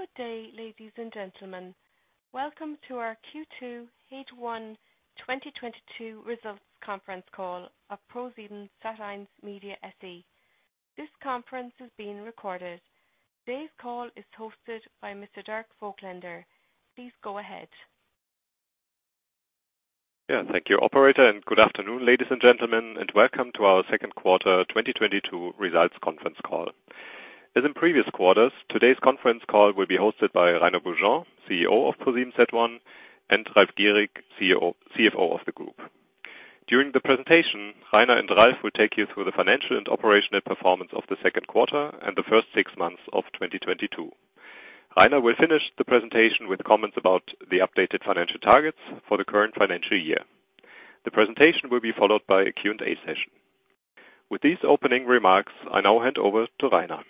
Good day, ladies and gentlemen. Welcome to our Q2 H1 2022 Results Conference Call of ProSiebenSat.1 Media SE. This conference is being recorded. Today's call is hosted by Mr. Dirk Voigtländer. Please go ahead. Yeah. Thank you, operator, and good afternoon, ladies and gentlemen, and welcome to our second quarter 2022 results conference call. As in previous quarters, today's conference call will be hosted by Rainer Beaujean, CEO of ProSiebenSat.1, and Ralf Gierig, CFO of the group. During the presentation, Rainer and Ralf will take you through the financial and operational performance of the second quarter and the first six months of 2022. Rainer will finish the presentation with comments about the updated financial targets for the current financial year. The presentation will be followed by a Q&A session. With these opening remarks, I now hand over to Rainer.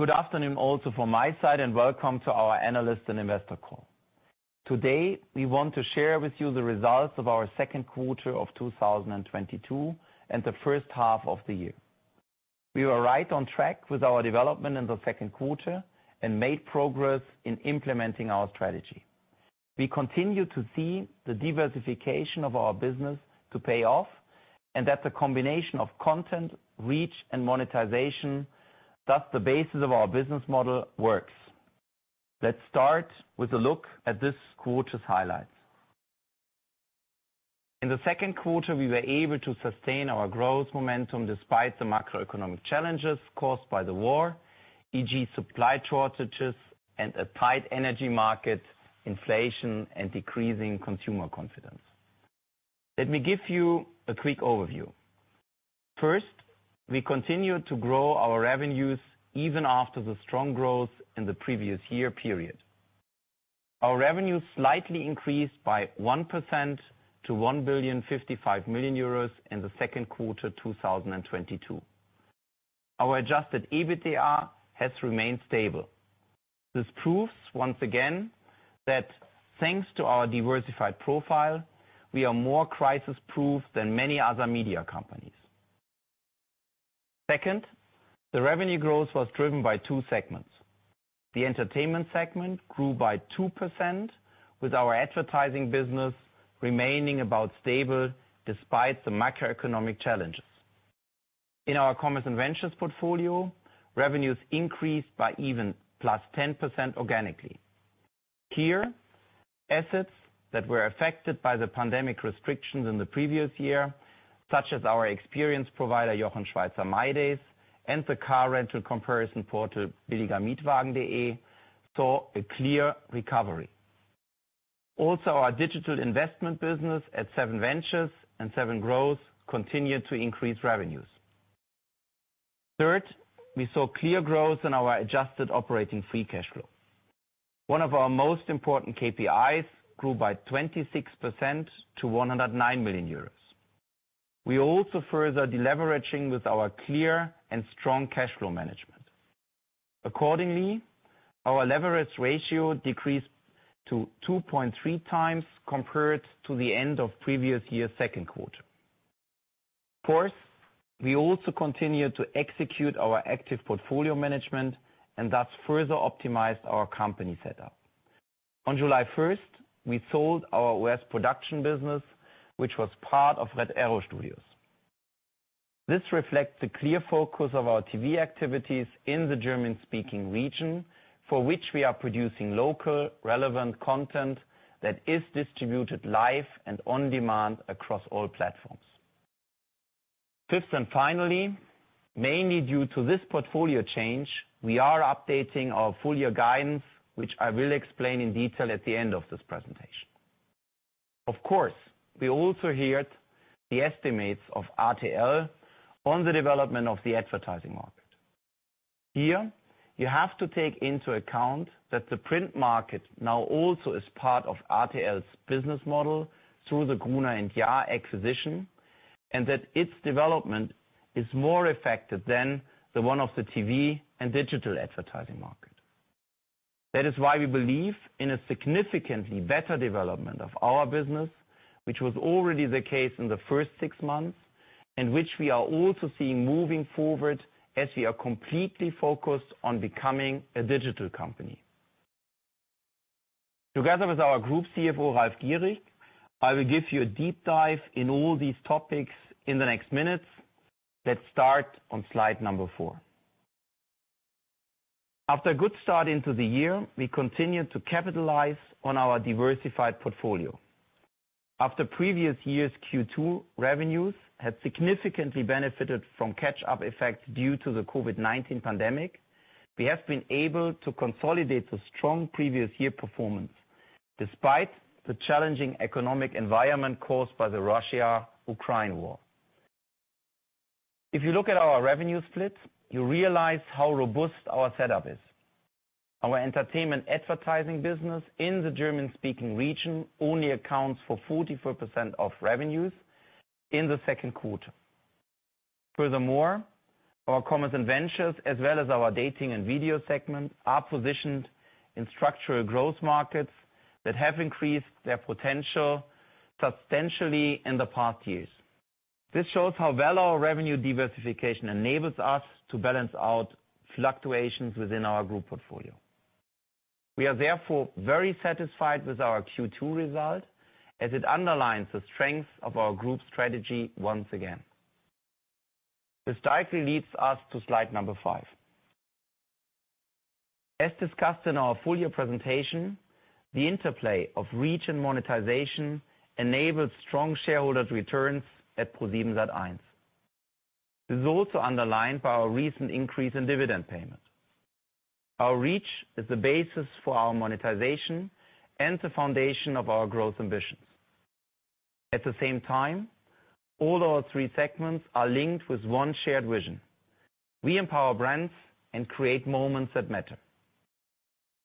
Good afternoon also from my side, and welcome to our analyst and investor call. Today, we want to share with you the results of our second quarter of 2022 and the first half of the year. We were right on track with our development in the second quarter and made progress in implementing our strategy. We continue to see the diversification of our business to pay off, and that the combination of content, reach and monetization, thus the basis of our business model, works. Let's start with a look at this quarter's highlights. In the second quarter, we were able to sustain our growth momentum despite the macroeconomic challenges caused by the war, e.g. supply shortages and a tight energy market, inflation and decreasing consumer confidence. Let me give you a quick overview. First, we continued to grow our revenues even after the strong growth in the previous year period. Our revenues slightly increased by 1% to 1,055 million euros in the second quarter 2022. Our adjusted EBITDA has remained stable. This proves once again that thanks to our diversified profile, we are more crisis-proof than many other media companies. Second, the revenue growth was driven by two segments. The entertainment segment grew by 2%, with our advertising business remaining about stable despite the macroeconomic challenges. In our Commerce and Ventures portfolio, revenues increased by even +10% organically. Here, assets that were affected by the pandemic restrictions in the previous year, such as our experience provider Jochen Schweizer mydays, and the car rental comparison portal billiger-mietwagen.de, saw a clear recovery. Also, our digital investment business at SevenVentures and Seven.Growth continued to increase revenues. Third, we saw clear growth in our adjusted operating free cash flow. One of our most important KPIs grew by 26% to 109 million euros. We also further deleveraging with our clear and strong cash flow management. Accordingly, our leverage ratio decreased to 2.3x compared to the end of previous year's second quarter. Fourth, we also continued to execute our active portfolio management and thus further optimized our company setup. On July 1st, we sold our West production business, which was part of Red Arrow Studios. This reflects the clear focus of our TV activities in the German-speaking region, for which we are producing locally relevant content that is distributed live and on-demand across all platforms. Fifth and finally, mainly due to this portfolio change, we are updating our full year guidance, which I will explain in detail at the end of this presentation. Of course, we also heard the estimates of RTL on the development of the advertising market. Here, you have to take into account that the print market now also is part of RTL's business model through the Gruner + Jahr acquisition, and that its development is more affected than the one of the TV and digital advertising market. That is why we believe in a significantly better development of our business, which was already the case in the first six months, and which we are also seeing moving forward as we are completely focused on becoming a digital company. Together with our group CFO, Ralf Gierig, I will give you a deep dive in all these topics in the next minutes.S Let's start on Slide four. After a good start into the year, we continued to capitalize on our diversified portfolio. After previous year's Q2 revenues had significantly benefited from catch-up effects due to the COVID-19 pandemic, we have been able to consolidate the strong previous year performance, despite the challenging economic environment caused by the Russia-Ukraine war. If you look at our revenue split, you realize how robust our setup is. Our entertainment advertising business in the German-speaking region only accounts for 44% of revenues in the second quarter. Furthermore, our commerce and ventures, as well as our dating and video segment, are positioned in structural growth markets that have increased their potential substantially in the past years. This shows how well our revenue diversification enables us to balance out fluctuations within our group portfolio. We are therefore very satisfied with our Q2 result as it underlines the strength of our group strategy once again. This directly leads us to Slide five. As discussed in our full year presentation, the interplay of reach and monetization enables strong shareholders' returns at ProSiebenSat.1. This is also underlined by our recent increase in dividend payment. Our reach is the basis for our monetization and the foundation of our growth ambitions. At the same time, all our three segments are linked with one shared vision. We empower brands and create moments that matter.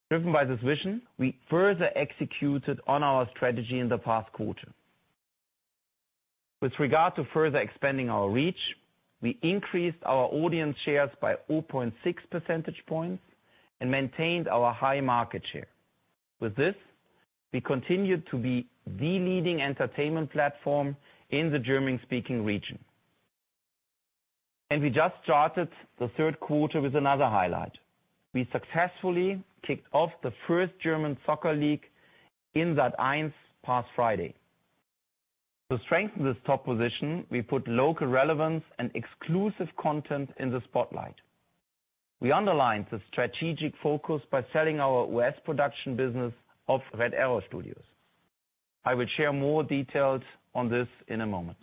Driven by this vision, we further executed on our strategy in the past quarter. With regard to further expanding our reach, we increased our audience shares by 0.6 percentage points and maintained our high market share. With this, we continued to be the leading entertainment platform in the German-speaking region. We just started the third quarter with another highlight. We successfully kicked off the first German Soccer League in Sat.1 last Friday. To strengthen this top position, we put local relevance and exclusive content in the spotlight. We underlined the strategic focus by selling our U.S. Production business of Red Arrow Studios. I will share more details on this in a moment.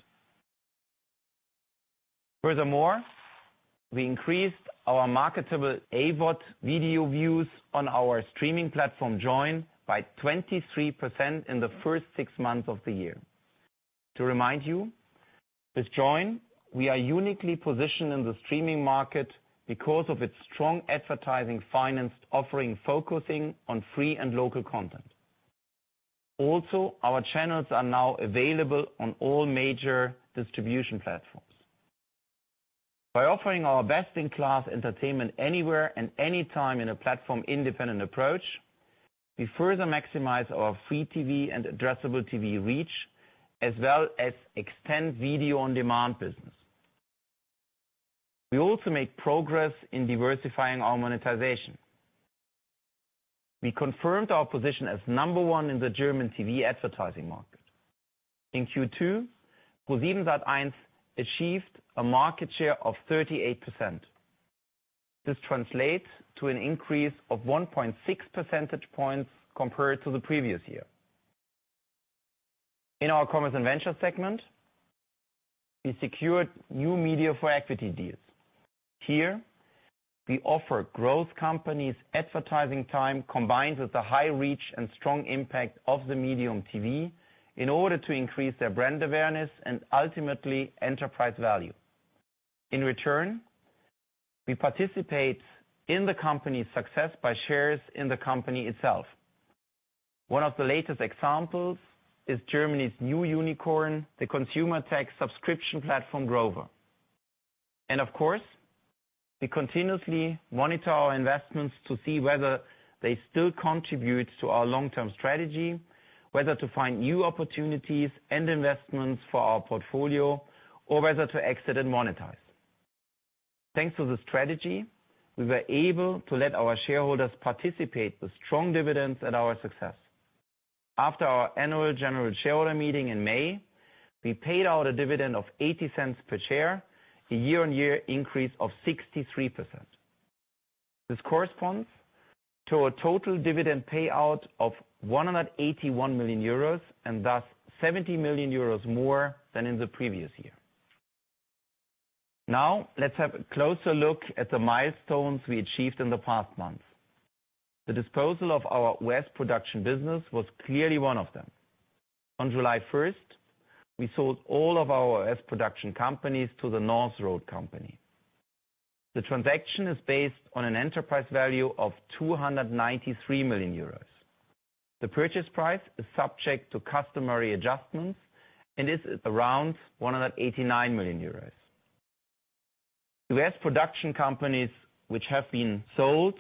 Furthermore, we increased our marketable AVOD video views on our streaming platform, Joyn, by 23% in the first six months of the year. To remind you, with Joyn, we are uniquely positioned in the streaming market because of its strong advertising-financed offering, focusing on free and local content. Also, our channels are now available on all major distribution platforms. By offering our best-in-class entertainment anywhere and anytime in a platform-independent approach, we further maximize our free TV and addressable TV reach, as well as extend video on demand business. We also make progress in diversifying our monetization. We confirmed our position as number one in the German TV advertising market. In Q2, ProSiebenSat.1 achieved a market share of 38%. This translates to an increase of 1.6 percentage points compared to the previous year. In our commerce and venture segment, we secured new media for equity deals. Here, we offer growth companies advertising time, combined with the high reach and strong impact of the medium TV in order to increase their brand awareness and ultimately enterprise value. In return, we participate in the company's success by shares in the company itself. One of the latest examples is Germany's new unicorn, the consumer tech subscription platform, Grover. Of course, we continuously monitor our investments to see whether they still contribute to our long-term strategy, whether to find new opportunities and investments for our portfolio, or whether to exit and monetize. Thanks to the strategy, we were able to let our shareholders participate with strong dividends at our success. After our annual general shareholder meeting in May, we paid out a dividend of 0.80 per share, a year-on-year increase of 63%. This corresponds to a total dividend payout of 181 million euros, and thus 70 million euros more than in the previous year. Now, let's have a closer look at the milestones we achieved in the past months. The disposal of our U.S. production business was clearly one of them. On July 1st, we sold all of our U.S. production companies to The North Road Company. The transaction is based on an enterprise value of 293 million euros. The purchase price is subject to customary adjustments and is around 189 million euros. U.S. production companies, which have been sold,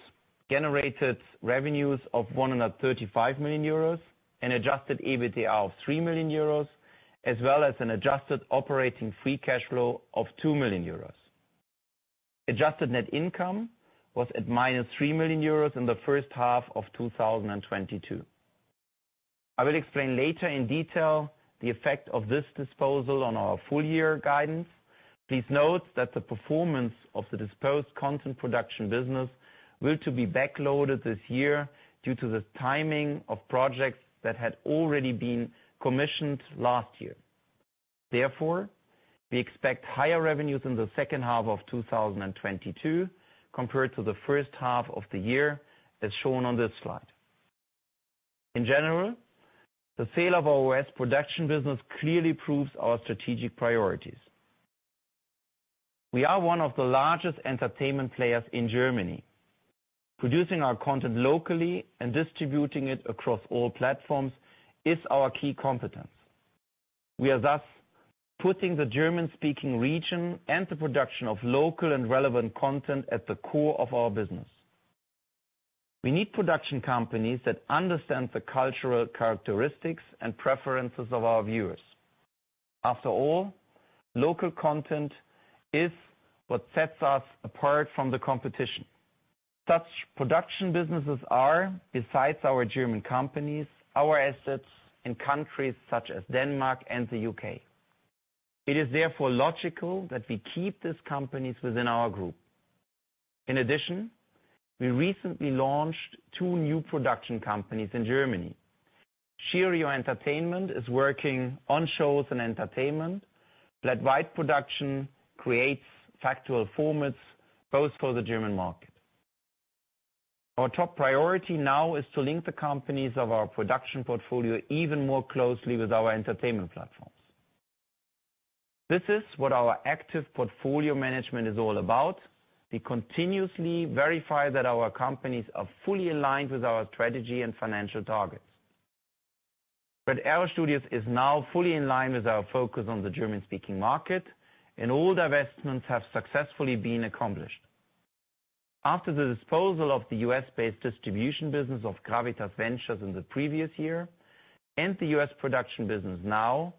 generated revenues of 135 million euros, an adjusted EBITDA of 3 million euros, as well as an adjusted operating free cash flow of 2 million euros. Adjusted net income was at -3 million euros in the first half of 2022. I will explain later in detail the effect of this disposal on our full year guidance. Please note that the performance of the disposed content production business will be backloaded this year due to the timing of projects that had already been commissioned last year. Therefore, we expect higher revenues in the second half of 2022 compared to the first half of the year, as shown on this slide. In general, the sale of our U.S. production business clearly proves our strategic priorities. We are one of the largest entertainment players in Germany. Producing our content locally and distributing it across all platforms is our key competence. We are thus putting the German-speaking region and the production of local and relevant content at the core of our business. We need production companies that understand the cultural characteristics and preferences of our viewers. After all, local content is what sets us apart from the competition. Such production businesses are, besides our German companies, our assets in countries such as Denmark and the U.K. It is therefore logical that we keep these companies within our group. In addition, we recently launched two new production companies in Germany. Cheerio Entertainment is working on shows and entertainment. Flat White Production creates factual formats both for the German market. Our top priority now is to link the companies of our production portfolio even more closely with our entertainment platforms. This is what our active portfolio management is all about. We continuously verify that our companies are fully aligned with our strategy and financial targets. Red Arrow Studios is now fully in line with our focus on the German-speaking market, and all divestments have successfully been accomplished. After the disposal of the U.S.-based distribution business of Gravitas Ventures in the previous year and the U.S. production business now,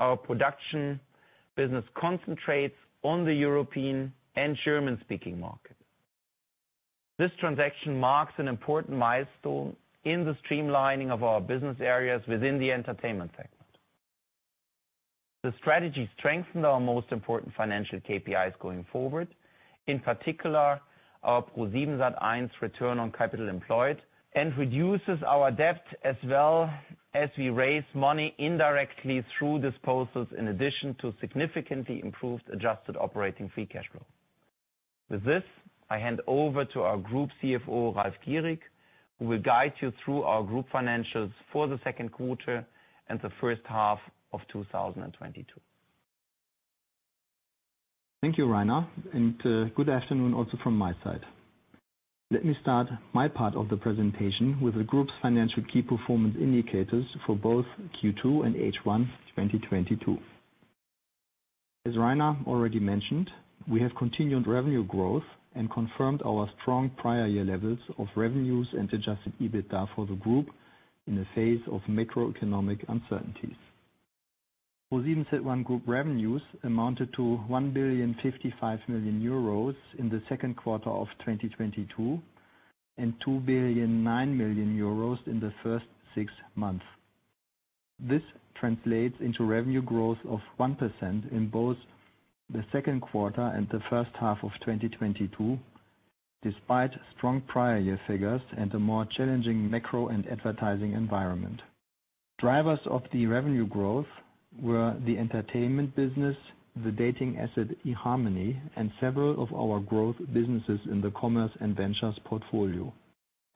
our production business concentrates on the European and German-speaking market. This transaction marks an important milestone in the streamlining of our business areas within the entertainment segment. The strategy strengthened our most important financial KPIs going forward, in particular our ProSiebenSat.1 return on capital employed, and reduces our debt as well as we raise money indirectly through disposals, in addition to significantly improved adjusted operating free cash flow. With this, I hand over to our Group CFO, Ralf Gierig, who will guide you through our group financials for the second quarter and the first half of 2022. Thank you, Rainer, and good afternoon also from my side. Let me start my part of the presentation with the group's financial key performance indicators for both Q2 and H1 2022. As Rainer already mentioned, we have continued revenue growth and confirmed our strong prior year levels of revenues and adjusted EBITDA for the group in the face of macroeconomic uncertainties. ProSiebenSat.1 Group revenues amounted to 1,055 million euros in the second quarter of 2022, and 2,009 million euros in the first six months. This translates into revenue growth of 1% in both the second quarter and the first half of 2022, despite strong prior year figures and a more challenging macro and advertising environment. Drivers of the revenue growth were the entertainment business, the dating asset eHarmony, and several of our growth businesses in the commerce and ventures portfolio.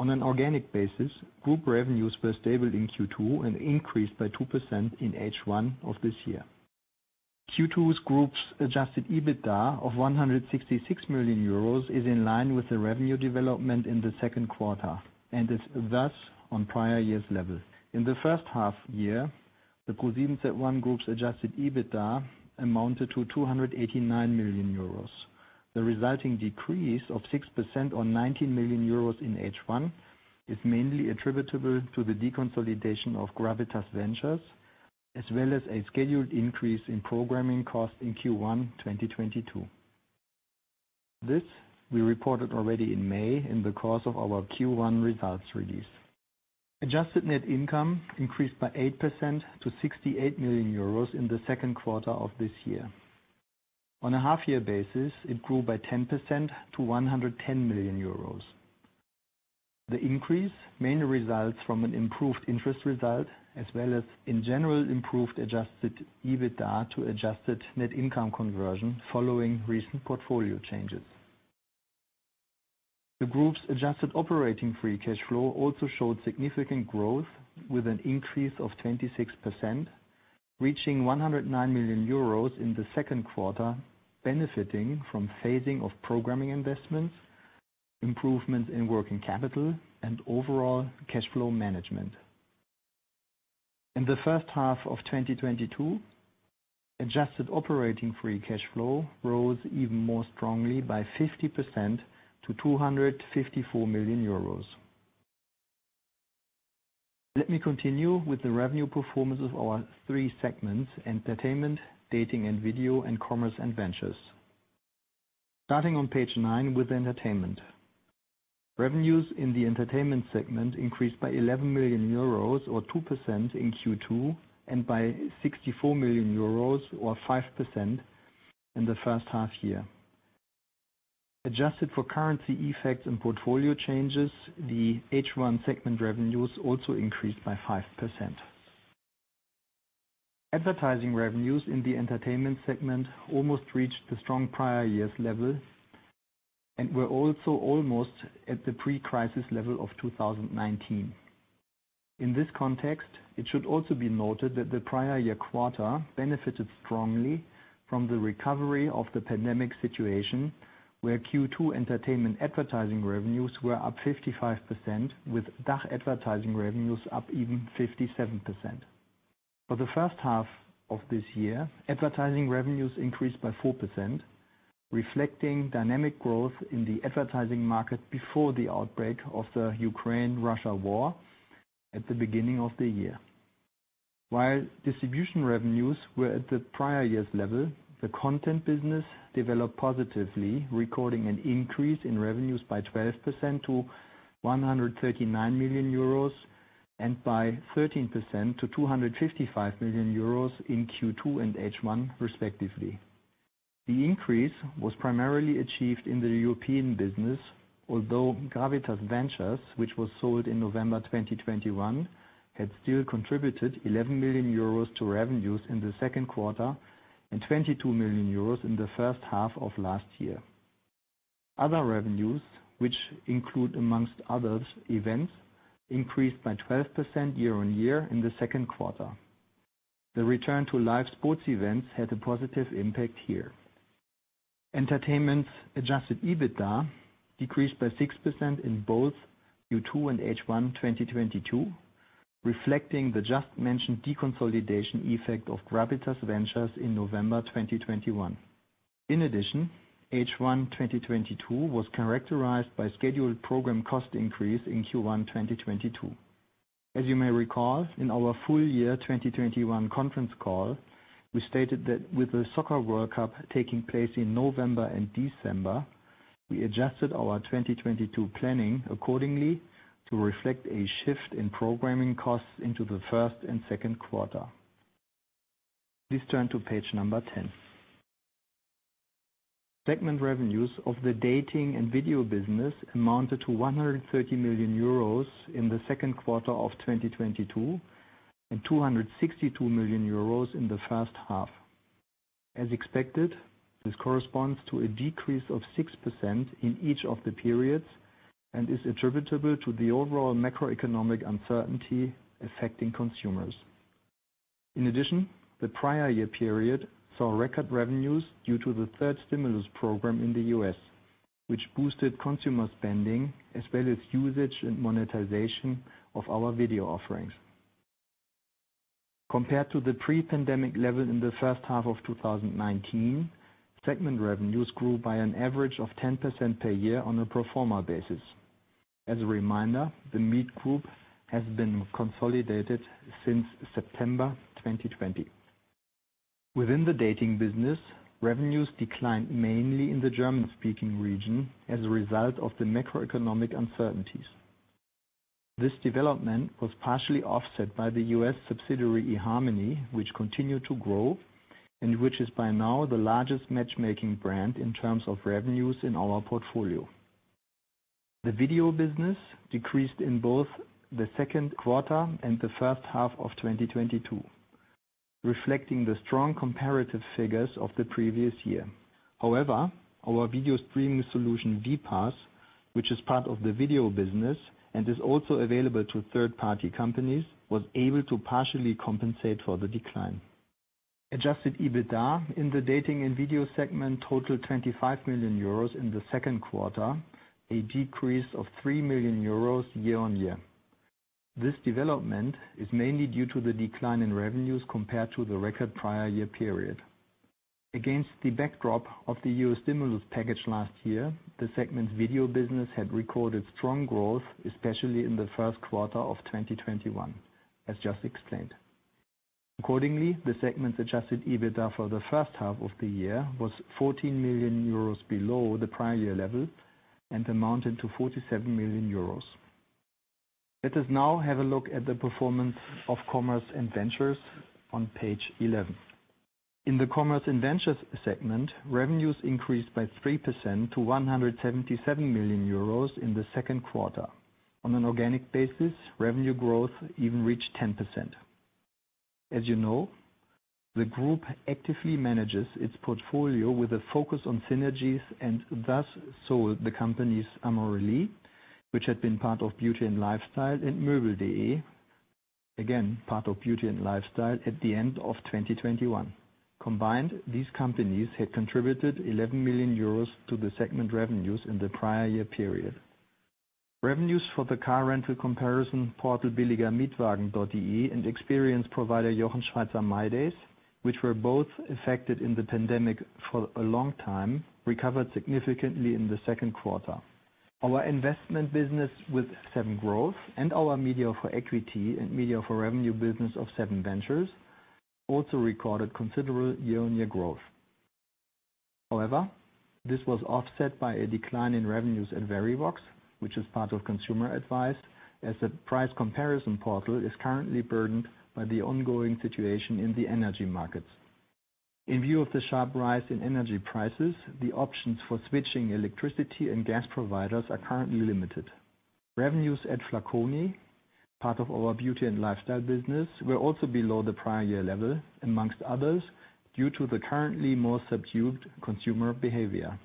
On an organic basis, group revenues were stable in Q2 and increased by 2% in H1 of this year. Q2 group's adjusted EBITDA of 166 million euros is in line with the revenue development in the second quarter, and is thus on prior year's level. In the first half year, the ProSiebenSat.1 Group's adjusted EBITDA amounted to 289 million euros. The resulting decrease of 6% or 19 million euros in H1 is mainly attributable to the deconsolidation of Gravitas Ventures, as well as a scheduled increase in programming costs in Q1 2022. This we reported already in May in the course of our Q1 results release. Adjusted net income increased by 8% to 68 million euros in the second quarter of this year. On a half year basis, it grew by 10% to 110 million euros. The increase mainly results from an improved interest result as well as in general improved adjusted EBITDA to adjusted net income conversion following recent portfolio changes. The group's adjusted operating free cash flow also showed significant growth with an increase of 26%, reaching 109 million euros in the second quarter, benefiting from phasing of programming investments, improvements in working capital, and overall cash flow management. In the first half of 2022, adjusted operating free cash flow rose even more strongly by 50% to 254 million euros. Let me continue with the revenue performance of our three segments, entertainment, dating and video, and commerce and ventures. Starting on Page nine with entertainment. Revenues in the entertainment segment increased by 11 million euros or 2% in Q2, and by 64 million euros or 5% in the first half year. Adjusted for currency effects and portfolio changes, the H1 segment revenues also increased by 5%. Advertising revenues in the entertainment segment almost reached the strong prior year's level and were also almost at the pre-crisis level of 2019. In this context, it should also be noted that the prior year quarter benefited strongly from the recovery of the pandemic situation, where Q2 entertainment advertising revenues were up 55% with DACH advertising revenues up even 57%. For the first half of this year, advertising revenues increased by 4%, reflecting dynamic growth in the advertising market before the outbreak of the Russia-Ukraine war at the beginning of the year. While distribution revenues were at the prior year's level, the content business developed positively, recording an increase in revenues by 12% to 139 million euros and by 13% to 255 million euros in Q2 and H1 respectively. The increase was primarily achieved in the European business, although Gravitas Ventures, which was sold in November 2021, had still contributed 11 million euros to revenues in the second quarter and 22 million euros in the first half of last year. Other revenues, which include among others, events, increased by 12% year-on-year in the second quarter. The return to live sports events had a positive impact here. Entertainment's adjusted EBITDA decreased by 6% in both Q2 and H1 2022, reflecting the just mentioned deconsolidation effect of Gravitas Ventures in November 2021. In addition, H1 2022 was characterized by scheduled program cost increase in Q1 2022. As you may recall, in our full year 2021 conference call, we stated that with the Soccer World Cup taking place in November and December, we adjusted our 2022 planning accordingly to reflect a shift in programming costs into the first and second quarter. Please turn to Page 10. Segment revenues of the dating and video business amounted to 130 million euros in the second quarter of 2022, and 262 million euros in the first half. As expected, this corresponds to a decrease of 6% in each of the periods and is attributable to the overall macroeconomic uncertainty affecting consumers. In addition, the prior year period saw record revenues due to the third stimulus program in the U.S., which boosted consumer spending as well as usage and monetization of our video offerings. Compared to the pre-pandemic level in the first half of 2019, segment revenues grew by an average of 10% per year on a pro forma basis. As a reminder, The Meet Group has been consolidated since September 2020. Within the dating business, revenues declined mainly in the German-speaking region as a result of the macroeconomic uncertainties. This development was partially offset by the U.S. subsidiary, eHarmony, which continued to grow, and which is by now the largest matchmaking brand in terms of revenues in our portfolio. The video business decreased in both the second quarter and the first half of 2022, reflecting the strong comparative figures of the previous year. However, our video streaming solution, VPAS, which is part of the video business and is also available to third-party companies, was able to partially compensate for the decline. Adjusted EBITDA in the dating and video segment totaled 25 million euros in the second quarter, a decrease of 3 million euros year-on-year. This development is mainly due to the decline in revenues compared to the record prior year period. Against the backdrop of the Euro stimulus package last year, the segment's video business had recorded strong growth, especially in the first quarter of 2021, as just explained. Accordingly, the segment's adjusted EBITDA for the first half of the year was 14 million euros below the prior year level and amounted to 47 million euros. Let us now have a look at the performance of Commerce and Ventures on Page 11. In the Commerce and Ventures segment, revenues increased by 3% to 177 million euros in the second quarter. On an organic basis, revenue growth even reached 10%. As you know, the group actively manages its portfolio with a focus on synergies, and thus sold the companies Amorelie, which had been part of Beauty and Lifestyle, and möbel.de, again part of Beauty and Lifestyle, at the end of 2021. Combined, these companies had contributed 11 million euros to the segment revenues in the prior year period. Revenues for the car rental comparison portal billiger-mietwagen.de and experience provider Jochen Schweizer mydays, which were both affected in the pandemic for a long time, recovered significantly in the second quarter. Our investment business with Seven.Growth and our media for equity and media for revenue business of SevenVentures also recorded considerable year-on-year growth. However, this was offset by a decline in revenues at Verivox, which is part of consumer advice, as the price comparison portal is currently burdened by the ongoing situation in the energy markets. In view of the sharp rise in energy prices, the options for switching electricity and gas providers are currently limited. Revenues at Flaconi, part of our Beauty and Lifestyle business, were also below the prior year level, among others, due to the currently more subdued consumer behavior.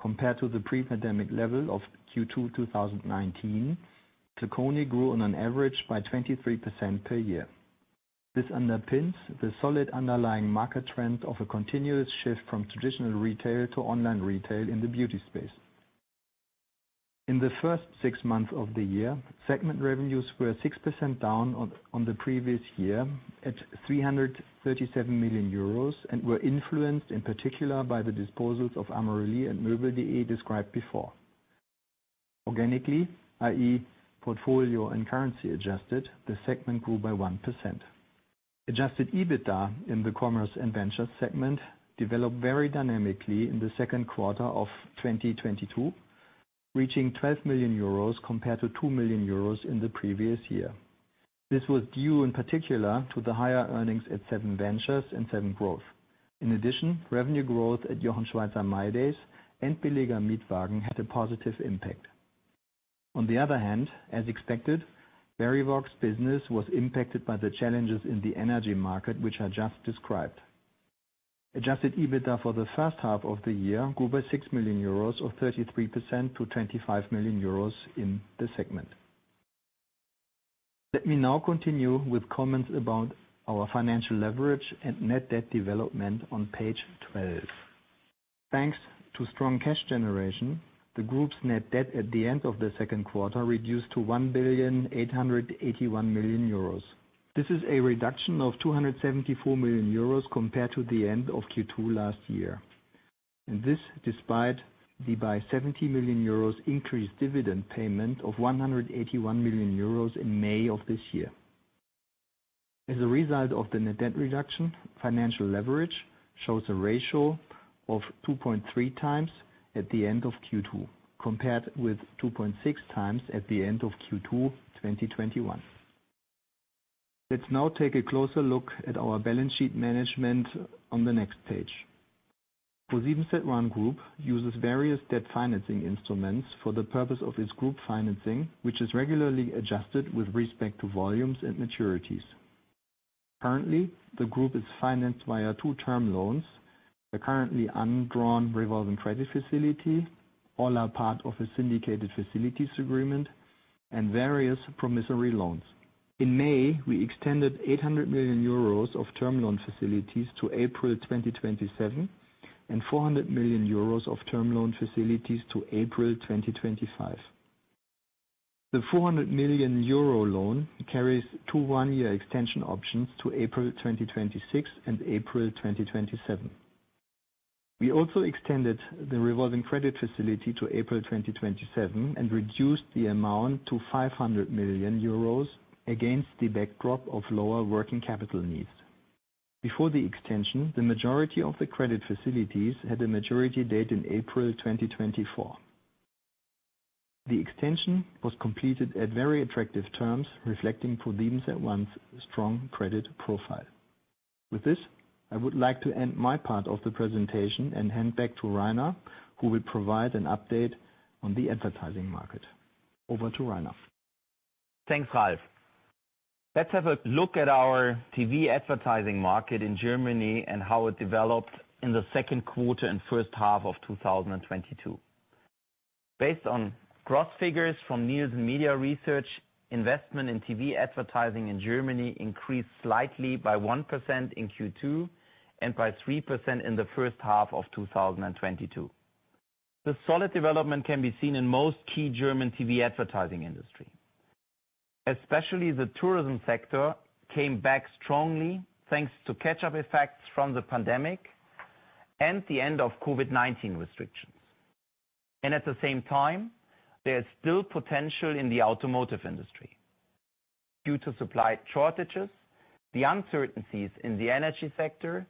Compared to the pre-pandemic level of Q2 2019, Flaconi grew on average by 23% per year. This underpins the solid underlying market trend of a continuous shift from traditional retail to online retail in the beauty space. In the first six months of the year, segment revenues were 6% down on the previous year at 337 million euros and were influenced in particular by the disposals of Amorelie and möbel.de described before. Organically, i.e. portfolio and currency adjusted, the segment grew by 1%. Adjusted EBITDA in the commerce and ventures segment developed very dynamically in the second quarter of 2022, reaching 12 million euros compared to 2 million euros in the previous year. This was due in particular to the higher earnings at SevenVentures and Seven.Growth. In addition, revenue growth at Jochen Schweizer mydays and billiger-mietwagen.de had a positive impact. On the other hand, as expected, Verivox business was impacted by the challenges in the energy market, which I just described. Adjusted EBITDA for the first half of the year grew by 6 million euros, or 33% to 25 million euros in the segment. Let me now continue with comments about our financial leverage and net debt development on Page 12. Thanks to strong cash generation, the group's net debt at the end of the second quarter reduced to 1.881 billion. This is a reduction of 274 million euros compared to the end of Q2 last year. This despite the increased by 70 million euros dividend payment of 181 million euros in May of this year. As a result of the net debt reduction, financial leverage shows a ratio of 2.3x at the end of Q2, compared with 2.6x at the end of Q2 2021. Let's now take a closer look at our balance sheet management on the next page. ProSiebenSat.1 Group uses various debt financing instruments for the purpose of its group financing, which is regularly adjusted with respect to volumes and maturities. Currently, the group is financed via two term loans, a currently undrawn revolving credit facility, all are part of a syndicated facilities agreement, and various promissory loans. In May, we extended 800 million euros of term loan facilities to April 2027, and 400 million euros of term loan facilities to April 2025. The 400 million euro loan carries two one-year extension options to April 2026 and April 2027. We also extended the revolving credit facility to April 2027 and reduced the amount to 500 million euros against the backdrop of lower working capital needs. Before the extension, the majority of the credit facilities had a maturity date in April 2024. The extension was completed at very attractive terms, reflecting ProSiebenSat.1's strong credit profile. With this, I would like to end my part of the presentation and hand back to Rainer, who will provide an update on the advertising market. Over to Rainer. Thanks, Ralf. Let's have a look at our TV advertising market in Germany and how it developed in the second quarter and first half of 2022. Based on gross figures from Nielsen Media Research, investment in TV advertising in Germany increased slightly by 1% in Q2, and by 3% in the first half of 2022. The solid development can be seen in most key German TV advertising industry. Especially the tourism sector came back strongly thanks to catch-up effects from the pandemic and the end of COVID-19 restrictions. At the same time, there is still potential in the automotive industry. Due to supply shortages, the uncertainties in the energy sector,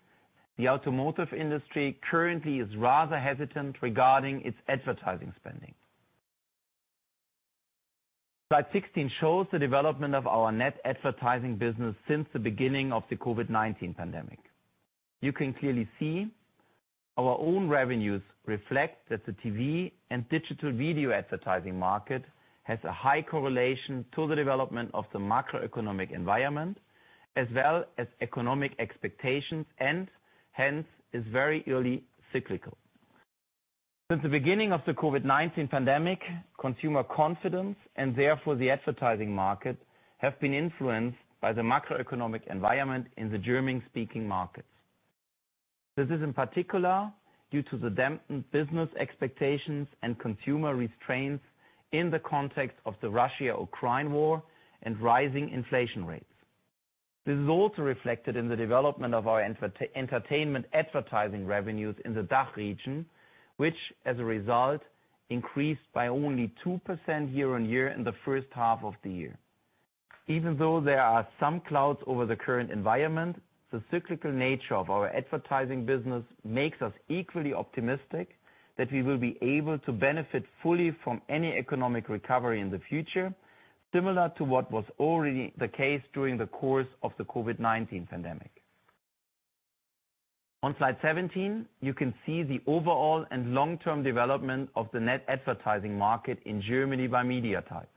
the automotive industry currently is rather hesitant regarding its advertising spending. Slide 16 shows the development of our net advertising business since the beginning of the COVID-19 pandemic. You can clearly see our own revenues reflect that the TV and digital video advertising market has a high correlation to the development of the macroeconomic environment as well as economic expectations, and hence is very clearly cyclical. Since the beginning of the COVID-19 pandemic, consumer confidence, and therefore the advertising market, have been influenced by the macroeconomic environment in the German-speaking markets. This is in particular due to the dampened business expectations and consumer restraints in the context of the Russia-Ukraine war and rising inflation rates. This is also reflected in the development of our entertainment advertising revenues in the DACH region, which as a result increased by only 2% year-on-year in the first half of the year. Even though there are some clouds over the current environment, the cyclical nature of our advertising business makes us equally optimistic that we will be able to benefit fully from any economic recovery in the future, similar to what was already the case during the course of the COVID-19 pandemic. On Slide 17, you can see the overall and long-term development of the net advertising market in Germany by media type.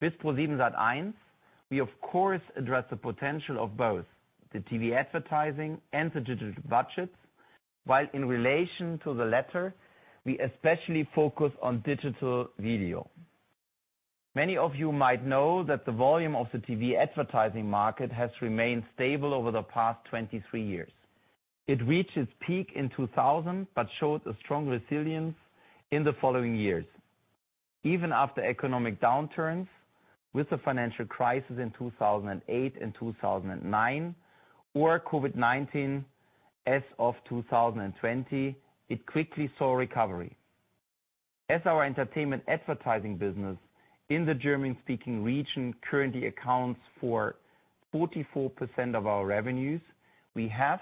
With ProSiebenSat.1, we of course address the potential of both the TV advertising and the digital budgets. While in relation to the latter, we especially focus on digital video. Many of you might know that the volume of the TV advertising market has remained stable over the past 23 years. It reached its peak in 2000, but showed a strong resilience in the following years. Even after economic downturns with the financial crisis in 2008 and 2009, or COVID-19 as of 2020, it quickly saw recovery. Our entertainment advertising business in the German-speaking region currently accounts for 44% of our revenues, we have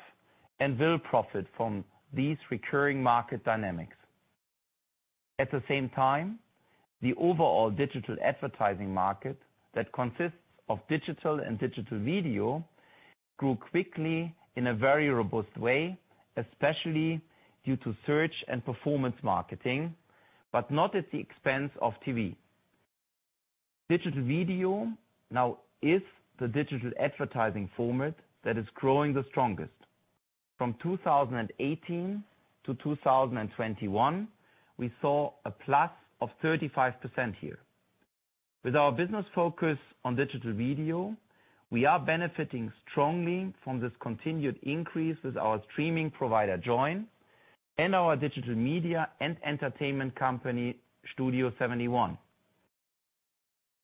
and will profit from these recurring market dynamics. At the same time, the overall digital advertising market that consists of digital and digital video grew quickly in a very robust way, especially due to search and performance marketing, but not at the expense of TV. Digital video now is the digital advertising format that is growing the strongest. From 2018-2021, we saw a +35% here. With our business focus on digital video, we are benefiting strongly from this continued increase with our streaming provider, Joyn, and our digital media and entertainment company, Studio71.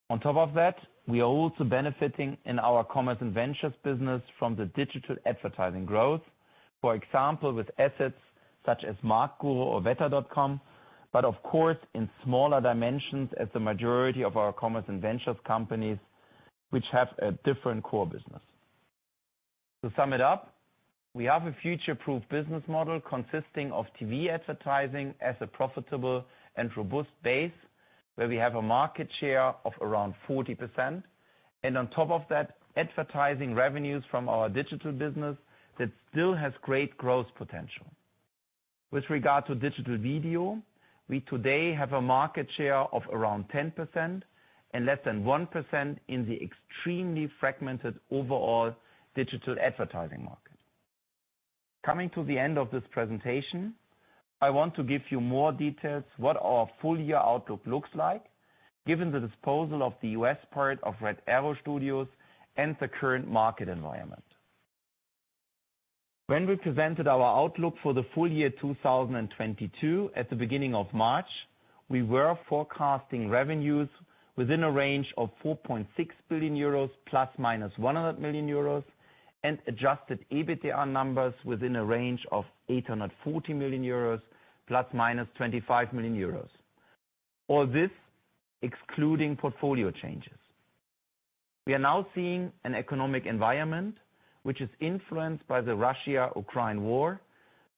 On top of that, we are also benefiting in our commerce and ventures business from the digital advertising growth. For example, with assets such as Marktguru or Wetter.com but of course, in smaller dimensions as the majority of our commerce and ventures companies which have a different core business. To sum it up, we have a future-proof business model consisting of TV advertising as a profitable and robust base, where we have a market share of around 40% and on top of that, advertising revenues from our digital business that still has great growth potential. With regard to digital video, we today have a market share of around 10% and less than 1% in the extremely fragmented overall digital advertising market. Coming to the end of this presentation, I want to give you more details what our full-year outlook looks like, given the disposal of the US part of Red Arrow Studios and the current market environment. When we presented our outlook for the full year 2022 at the beginning of March, we were forecasting revenues within a range of 4.6 billion euros ± 100 million euros and adjusted EBITDA numbers within a range of 840 million euros ± 25 million euros, all this excluding portfolio changes. We are now seeing an economic environment which is influenced by the Russia-Ukraine war,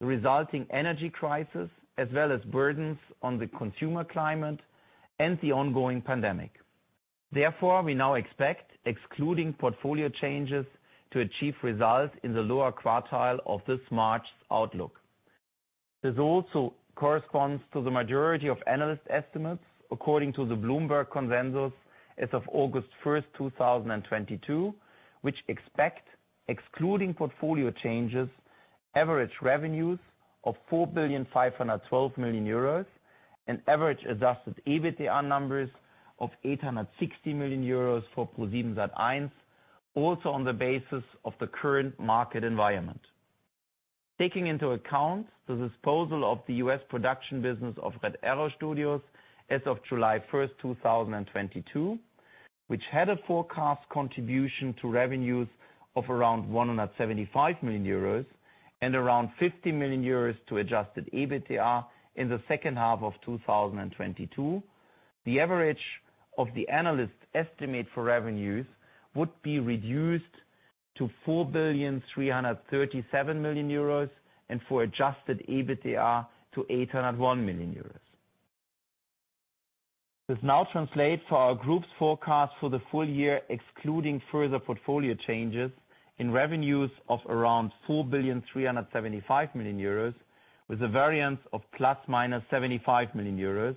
the resulting energy crisis, as well as burdens on the consumer climate and the ongoing pandemic. Therefore, we now expect excluding portfolio changes to achieve results in the lower quartile of this March's outlook. This also corresponds to the majority of analyst estimates according to the Bloomberg consensus as of August 1st, 2022, which expect excluding portfolio changes, average revenues of 4,512,000,000 euros and average adjusted EBITDA numbers of 860 million euros for ProSiebenSat.1, also on the basis of the current market environment. Taking into account the disposal of the U.S. production business of Red Arrow Studios as of July 1st, 2022, which had a forecast contribution to revenues of around 175 million euros and around 50 million euros to adjusted EBITDA in the second half of 2022. The average of the analyst estimate for revenues would be reduced to 4,337 million euros, and for adjusted EBITDA to 801 million euros. This now translates to our group's forecast for the full year, excluding further portfolio changes in revenues of around 4,375 million euros, with a variance of ±75 million euros,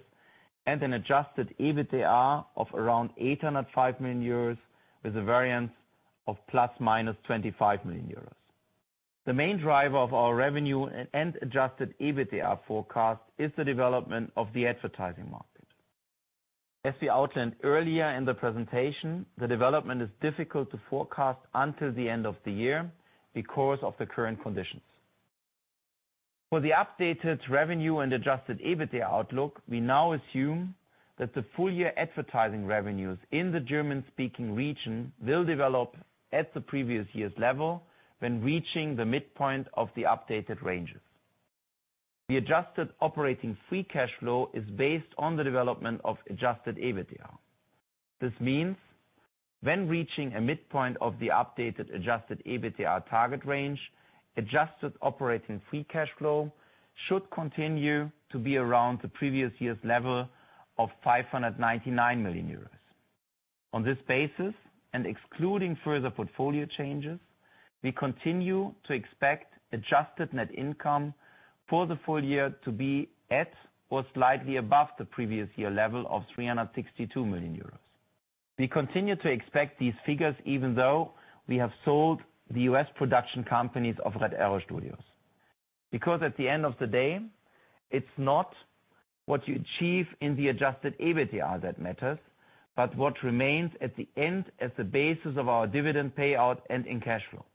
and an adjusted EBITDA of around 805 million euros, with a variance of ±25 million euros. The main driver of our revenue and adjusted EBITDA forecast is the development of the advertising market. As we outlined earlier in the presentation, the development is difficult to forecast until the end of the year because of the current conditions. For the updated revenue and adjusted EBITDA outlook, we now assume that the full year advertising revenues in the German-speaking region will develop at the previous year's level when reaching the midpoint of the updated ranges. The adjusted operating free cash flow is based on the development of adjusted EBITDA. This means when reaching a midpoint of the updated adjusted EBITDA target range, adjusted operating free cash flow should continue to be around the previous year's level of 599 million euros. On this basis, and excluding further portfolio changes. We continue to expect adjusted net income for the full year to be at or slightly above the previous year level of 362 million euros. We continue to expect these figures even though we have sold the U.S. production companies of Red Arrow Studios. Because at the end of the day, it's not what you achieve in the adjusted EBITDA that matters, but what remains at the end as the basis of our dividend payout and in cash flow.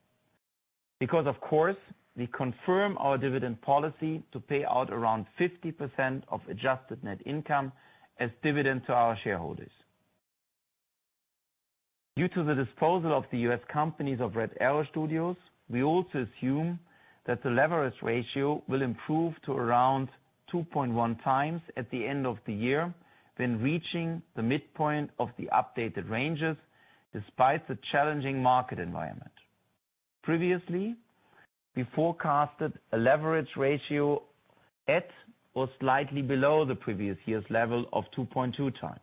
Because of course, we confirm our dividend policy to pay out around 50% of adjusted net income as dividend to our shareholders. Due to the disposal of the U.S. companies of Red Arrow Studios, we also assume that the leverage ratio will improve to around 2.1x at the end of the year, then reaching the midpoint of the updated ranges despite the challenging market environment. Previously, we forecasted a leverage ratio at or slightly below the previous year's level of 2.2x.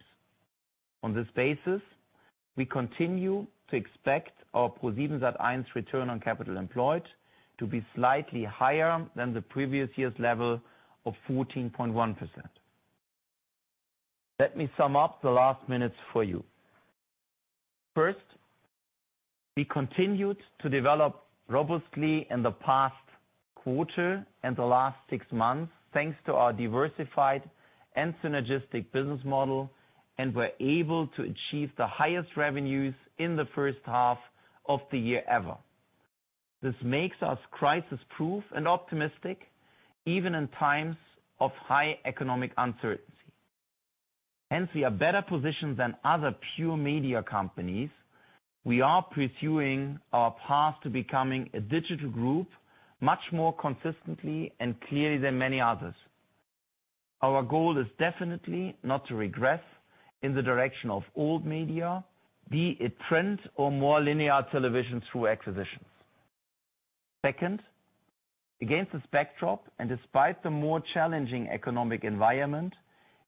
On this basis, we continue to expect our projects that earn return on capital employed to be slightly higher than the previous year's level of 14.1%. Let me sum up the last minutes for you. First, we continued to develop robustly in the past quarter and the last six months, thanks to our diversified and synergistic business model, and we're able to achieve the highest revenues in the first half of the year ever. This makes us crisis-proof and optimistic, even in times of high economic uncertainty. Hence, we are better positioned than other pure media companies. We are pursuing our path to becoming a digital group much more consistently and clearly than many others. Our goal is definitely not to regress in the direction of old media, be it trends or more linear television through acquisitions. Second, against this backdrop, and despite the more challenging economic environment,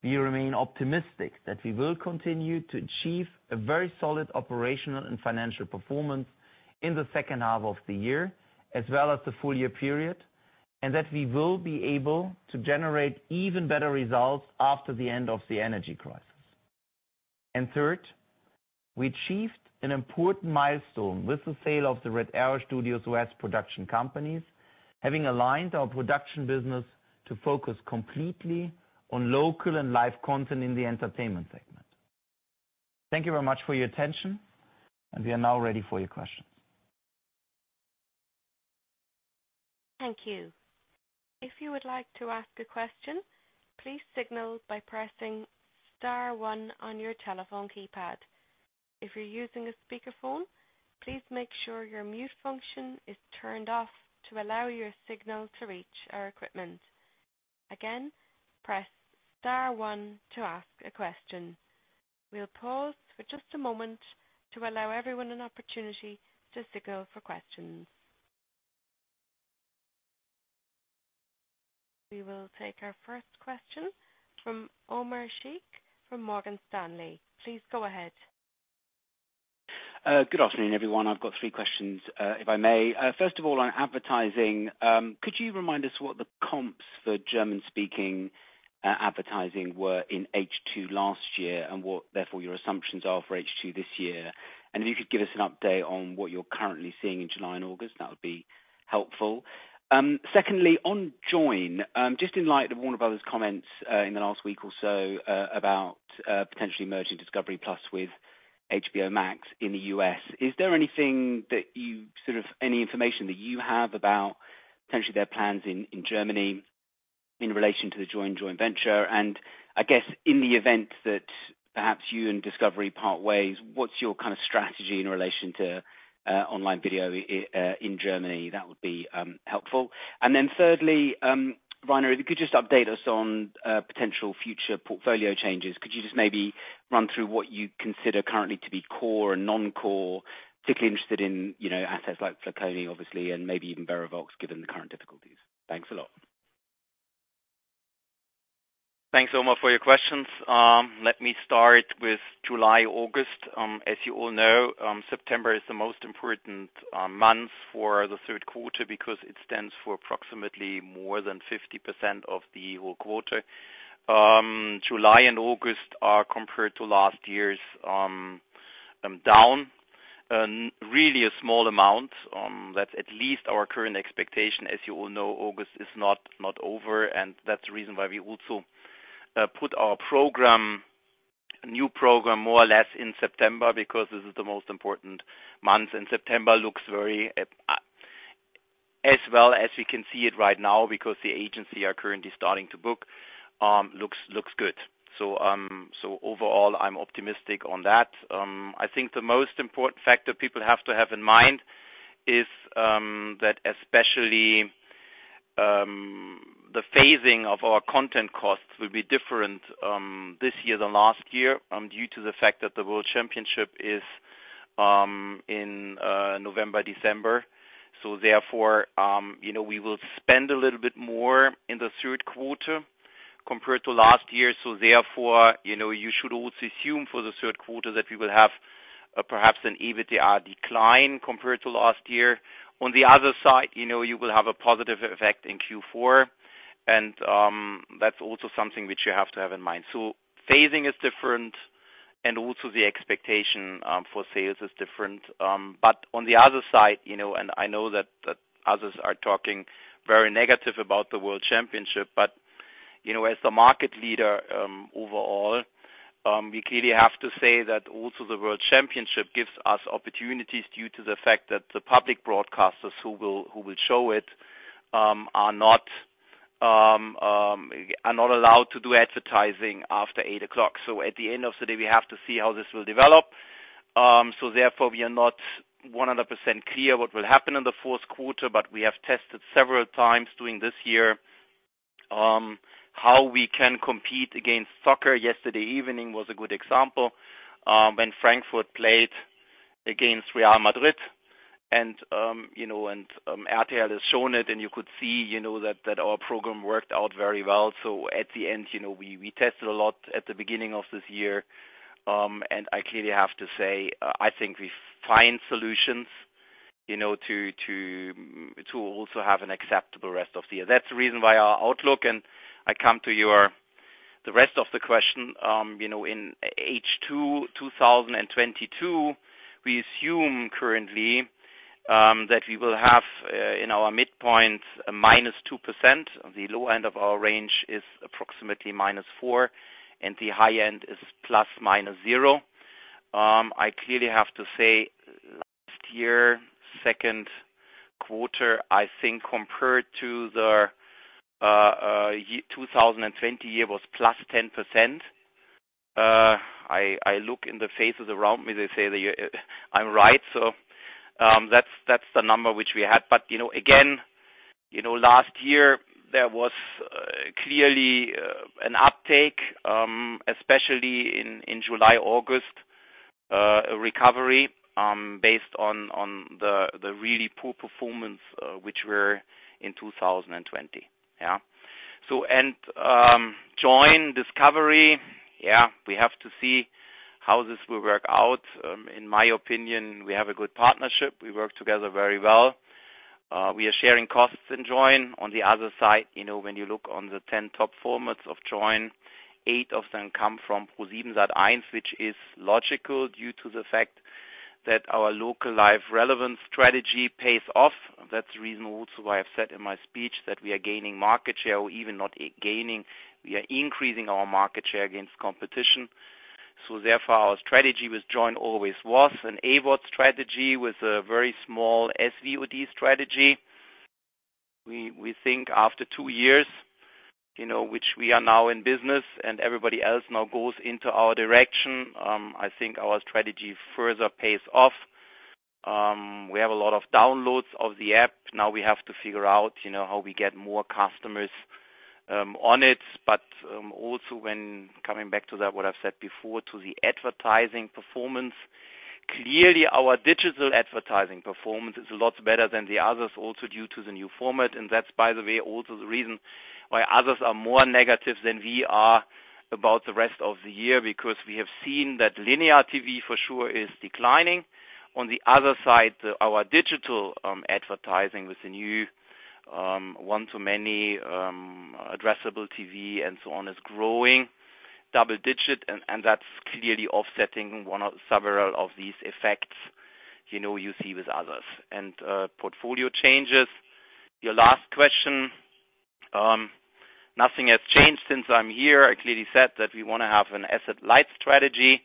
we remain optimistic that we will continue to achieve a very solid operational and financial performance in the second half of the year as well as the full year period, and that we will be able to generate even better results after the end of the energy crisis. Third, we achieved an important milestone with the sale of the Red Arrow Studios West production companies, having aligned our production business to focus completely on local and live content in the entertainment segment. Thank you very much for your attention, and we are now ready for your questions. Thank you. If you would like to ask a question, please signal by pressing star one on your telephone keypad. If you're using a speakerphone, please make sure your mute function is turned off to allow your signal to reach our equipment. Again, press star one to ask a question. We'll pause for just a moment to allow everyone an opportunity to signal for questions. We will take our first question from Omar Sheikh from Morgan Stanley. Please go ahead. Good afternoon, everyone. I've got three questions, if I may. First of all, on advertising, could you remind us what the comps for German-speaking advertising were in H2 last year and what therefore your assumptions are for H2 this year? And if you could give us an update on what you're currently seeing in July and August, that would be helpful. Secondly, on Joyn, just in light of Warner Bros. comments in the last week or so, about potentially merging Discovery+ with HBO Max in the U.S., is there anything that you, sort of, any information that you have about potentially their plans in Germany in relation to the Joyn joint venture? I guess in the event that perhaps you and Discovery part ways, what's your kind of strategy in relation to online video in Germany? That would be helpful. Then thirdly, Rainer, if you could just update us on potential future portfolio changes. Could you just maybe run through what you consider currently to be core and non-core, particularly interested in, you know, assets like Flaconi, obviously, and maybe even Verivox, given the current difficulties? Thanks a lot. Thanks, Omar, for your questions. Let me start with July, August. As you all know, September is the most important month for the third quarter because it stands for approximately more than 50% of the whole quarter. July and August are compared to last year's down really a small amount. That's at least our current expectation. As you all know, August is not over, and that's the reason why we also put our program, new program more or less in September, because this is the most important month. September looks very, as well as we can see it right now because the agency are currently starting to book, looks good. Overall, I'm optimistic on that. I think the most important factor people have to have in mind is that especially the phasing of our content costs will be different this year than last year due to the fact that the World Championship is in November, December. You know, we will spend a little bit more in the third quarter. Compared to last year, so therefore, you know, you should also assume for the third quarter that we will have perhaps an EBITDA decline compared to last year. On the other side, you know, you will have a positive effect in Q4, and that's also something which you have to have in mind. Phasing is different and also the expectation for sales is different. On the other side, you know, and I know that others are talking very negative about the World Championship, but you know, as the market leader, overall, we clearly have to say that also the World Championship gives us opportunities due to the fact that the public broadcasters who will show it are not allowed to do advertising after eight o'clock. At the end of the day, we have to see how this will develop. Therefore we are not 100% clear what will happen in the fourth quarter. But we have tested several times during this year, how we can compete against soccer. Yesterday evening was a good example, when Frankfurt played against Real Madrid, RTL has shown it, and you could see, you know, that our program worked out very well. At the end, you know, we tested a lot at the beginning of this year, and I clearly have to say, I think we find solutions, you know, to also have an acceptable rest of the year. That's the reason why our outlook and I come to the rest of the question, you know, in H2 2022, we assume currently that we will have in our midpoint a -2%. The low end of our range is approximately -4%, and the high end is ±0%. I clearly have to say last year, second quarter, I think compared to the 2020 year was +10%. I look in the faces around me, they say that I'm right. That's the number which we had. But you know, again, you know, last year there was clearly an uptake, especially in July, August, a recovery, based on the really poor performance, which was in 2020. Joyn Discovery, we have to see how this will work out. In my opinion, we have a good partnership. We work together very well. We are sharing costs in Joyn. On the other side, when you look on the 10 top formats of Joyn, eight of them come from ProSiebenSat.1, which is logical due to the fact that our local live relevance strategy pays off. That's the reason also why I've said in my speech that we are gaining market share, or even not gaining, we are increasing our market share against competition. Our strategy with Joyn always was an AVOD strategy with a very small SVOD strategy. We think after two years, which we are now in business and everybody else now goes into our direction, I think our strategy further pays off. We have a lot of downloads of the app. Now we have to figure out, you know, how we get more customers on it, but also when coming back to that, what I've said before to the advertising performance. Clearly, our digital advertising performance is a lot better than the others also due to the new format. That's by the way, also the reason why others are more negative than we are about the rest of the year, because we have seen that linear TV for sure is declining. On the other side, our digital advertising with the new one-to-many addressable TV and so on is growing double digit, and that's clearly offsetting one of several of these effects, you know, you see with others. Portfolio changes. Your last question, nothing has changed since I'm here. I clearly said that we wanna have an asset-light strategy.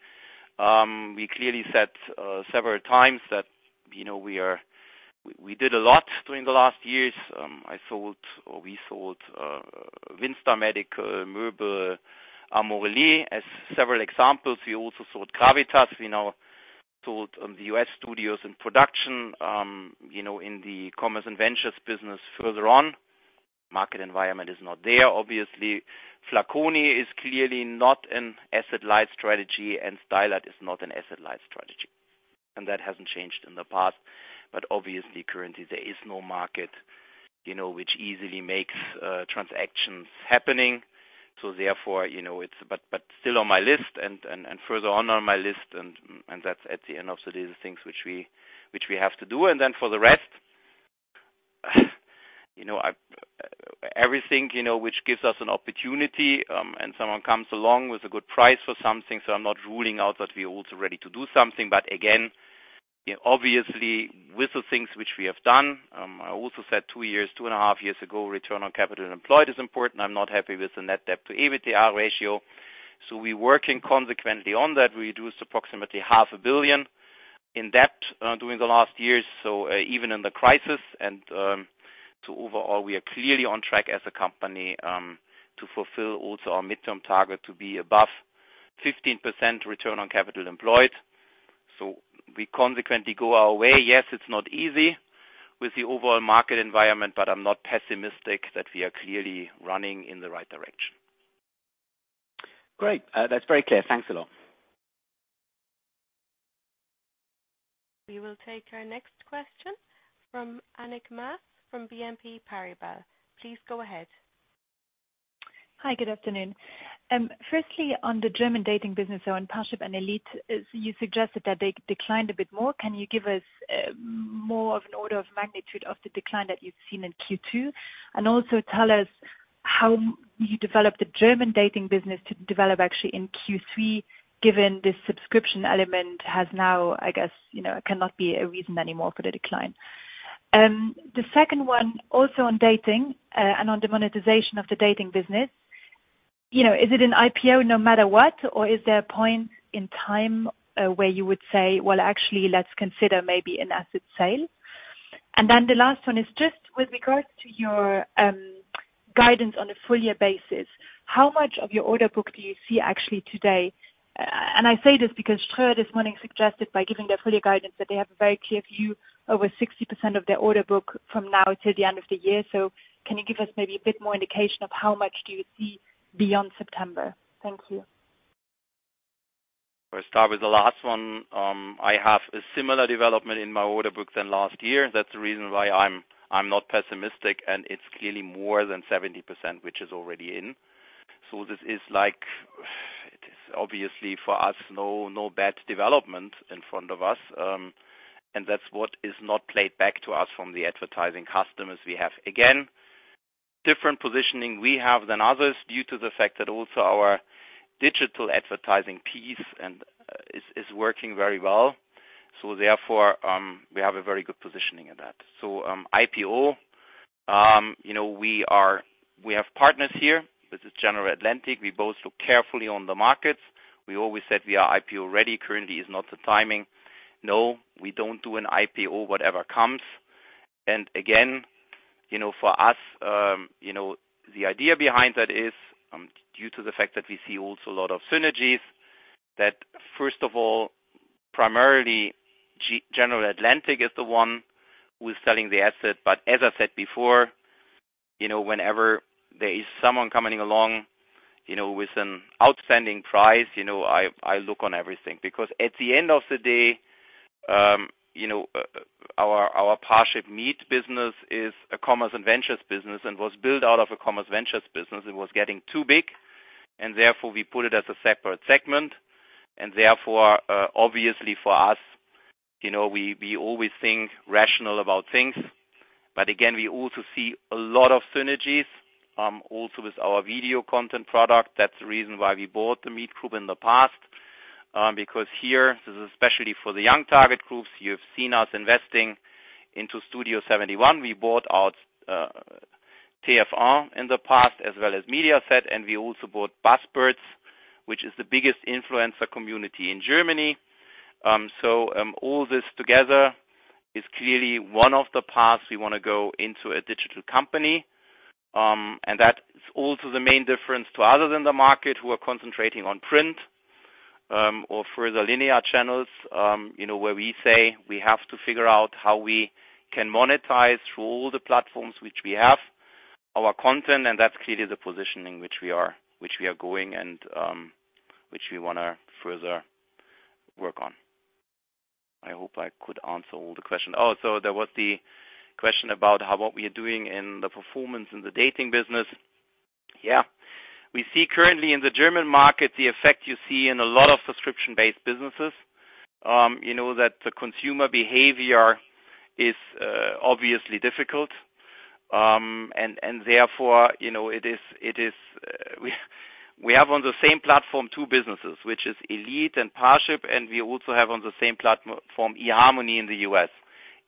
We clearly said several times that, you know, we did a lot during the last years. I sold or we sold WindStar Medical, möbel.de, Amorelie as several examples. We also sold Gravitas Ventures. We now sold the U.S. studios in production, you know, in the commerce and ventures business further on. Market environment is not there, obviously. Flaconi is clearly not an asset-light strategy, and Stylight is not an asset-light strategy, and that hasn't changed in the past. Obviously currently there is no market, you know, which easily makes transactions happening. Therefore, you know, still on my list and further on my list and that's at the end of the day, the things which we have to do. Then for the rest, you know, everything, you know, which gives us an opportunity, and someone comes along with a good price for something, so I'm not ruling out that we are also ready to do something. Again, obviously with the things which we have done, I also said two years, two and a half years ago, return on capital employed is important. I'm not happy with the net debt to EBITDA ratio, so we working consequently on that. We reduced approximately half a billion EUR in debt during the last years, so even in the crisis and, so overall, we are clearly on track as a company to fulfill also our midterm target to be above 15% return on capital employed. We consequently go our way. Yes, it's not easy with the overall market environment, but I'm not pessimistic that we are clearly running in the right direction. Great. That's very clear. Thanks a lot. We will take our next question from Annick Maas from BNP Paribas. Please go ahead. Hi, good afternoon. Firstly, on the German dating business on Parship and ElitePartner, you suggested that they declined a bit more. Can you give us more of an order of magnitude of the decline that you've seen in Q2? And also tell us how you developed the German dating business to develop actually in Q3, given the subscription element has now cannot be a reason anymore for the decline. The second one, also on dating and on the monetization of the dating business. You know, is it an IPO no matter what? Or is there a point in time where you would say, "Well, actually let's consider maybe an asset sale"? And then the last one is just with regards to your guidance on a full year basis. How much of your order book do you see actually today? I say this because Ströer this morning suggested by giving their full year guidance that they have a very clear view over 60% of their order book from now till the end of the year. Can you give us maybe a bit more indication of how much do you see beyond September? Thank you. I'll start with the last one. I have a similar development in my order book than last year. That's the reason why I'm not pessimistic, and it's clearly more than 70%, which is already in. It is obviously for us no bad development in front of us. And that's what is not played back to us from the advertising customers we have. Again, different positioning we have than others due to the fact that also our digital advertising piece and is working very well. So therefore, we have a very good positioning in that. IPO. You know, we have partners here. This is General Atlantic. We both look carefully on the markets. We always said we are IPO ready. Currently is not the timing. No, we don't do an IPO, whatever comes. Again, you know, for us, the idea behind that is, due to the fact that we see also a lot of synergies, that first of all, primarily General Atlantic is the one who is selling the asset. But as I said before, you know, whenever there is someone coming along, you know, with an outstanding price, you know, I look on everything. Because at the end of the day, you know, our ParshipMeet business is a commerce and ventures business and was built out of a commerce ventures business. It was getting too big, and therefore we put it as a separate segment. Therefore, obviously for us, you know, we always think rational about things. But again, we also see a lot of synergies, also with our video content product. That's the reason why we bought The Meet Group in the past. Because here, this is especially for the young target groups. You've seen us investing into Studio71. We bought out TF1 in the past as well as Mediaset, and we also bought Buzzbird, which is the biggest influencer community in Germany. All this together is clearly one of the paths we wanna go into a digital company. That's also the main difference to others in the market who are concentrating on print or further linear channels, you know, where we say we have to figure out how we can monetize through all the platforms which we have our content, and that's clearly the positioning which we are going and which we wanna further work on. I hope I could answer all the question. Oh, there was the question about what we are doing in the performance in the dating business. Yeah. We see currently in the German market the effect you see in a lot of subscription-based businesses, you know, that the consumer behavior is obviously difficult. Therefore, you know, it is. We have on the same platform two businesses, which is Elite and Parship, and we also have on the same platform eHarmony in the U.S.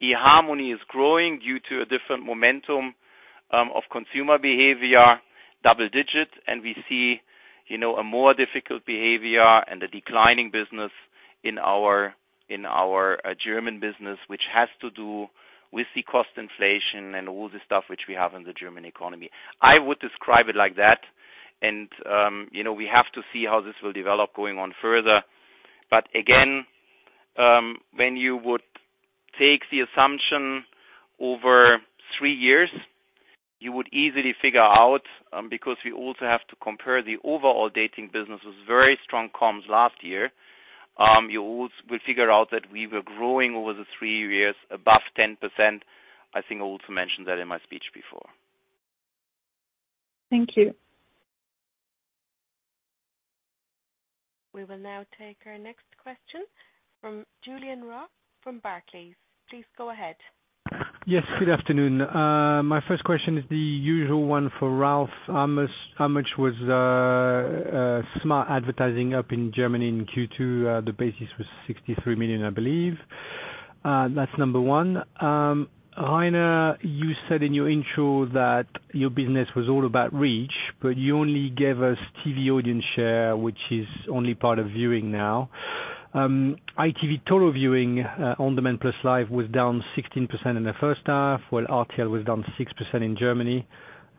eHarmony is growing due to a different momentum of consumer behavior, double digit. We see, you know, a more difficult behavior and a declining business in our German business, which has to do with the cost inflation and all the stuff which we have in the German economy. I would describe it like that and, you know, we have to see how this will develop going on further. Again, when you would take the assumption over three years, you would easily figure out, because we also have to compare the overall dating businesses, very strong comps last year. You will figure out that we were growing over the three years above 10%. I think I also mentioned that in my speech before. Thank you. We will now take our next question from Julien Roch from Barclays. Please go ahead. Yes, good afternoon. My first question is the usual one for Ralf. How much was smart advertising up in Germany in Q2? The basis was 63 million, I believe. That's number one. Rainer, you said in your intro that your business was all about reach, but you only gave us TV audience share, which is only part of viewing now. ITV total viewing, on-demand plus live was down 16% in the first half, while RTL was down 6% in Germany.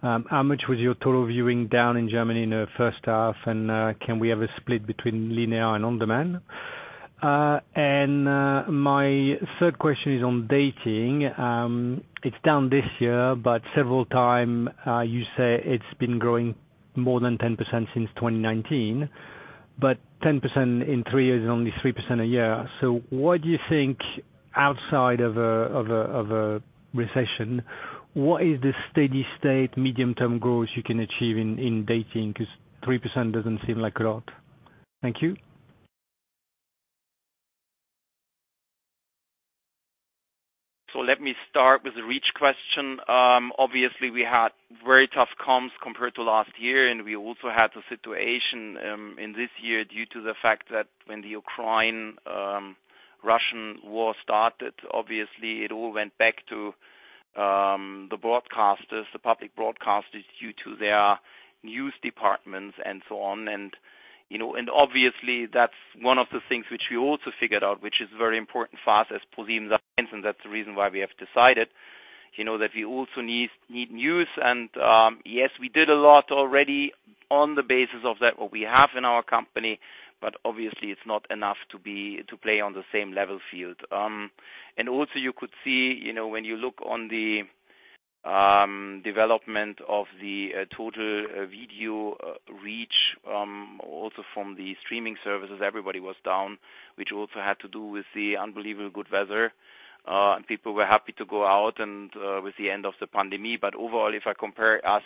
How much was your total viewing down in Germany in the first half, and can we have a split between linear and on-demand? My third question is on dating. It's down this year, but several times you say it's been growing more than 10% since 2019. Ten percent in three years is only 3% a year. What do you think outside of a recession? What is the steady-state medium-term growth you can achieve in dating? 'Cause 3% doesn't seem like a lot. Thank you. Let me start with the reach question. Obviously, we had very tough comps compared to last year, and we also had the situation in this year due to the fact that when the Russia-Ukraine war started, obviously it all went back to the broadcasters, the public broadcasters, due to their news departments and so on. You know, obviously, that's one of the things which we also figured out, which is very important for us as ProSiebenSat.1. That's the reason why we have decided, you know, that we also need news. Yes, we did a lot already on the basis of that, what we have in our company, but obviously it's not enough to play on the same level playing field. Also you could see, you know, when you look on the development of the total video reach, also from the streaming services, everybody was down, which also had to do with the unbelievable good weather. People were happy to go out and with the end of the pandemic. Overall, if I compare us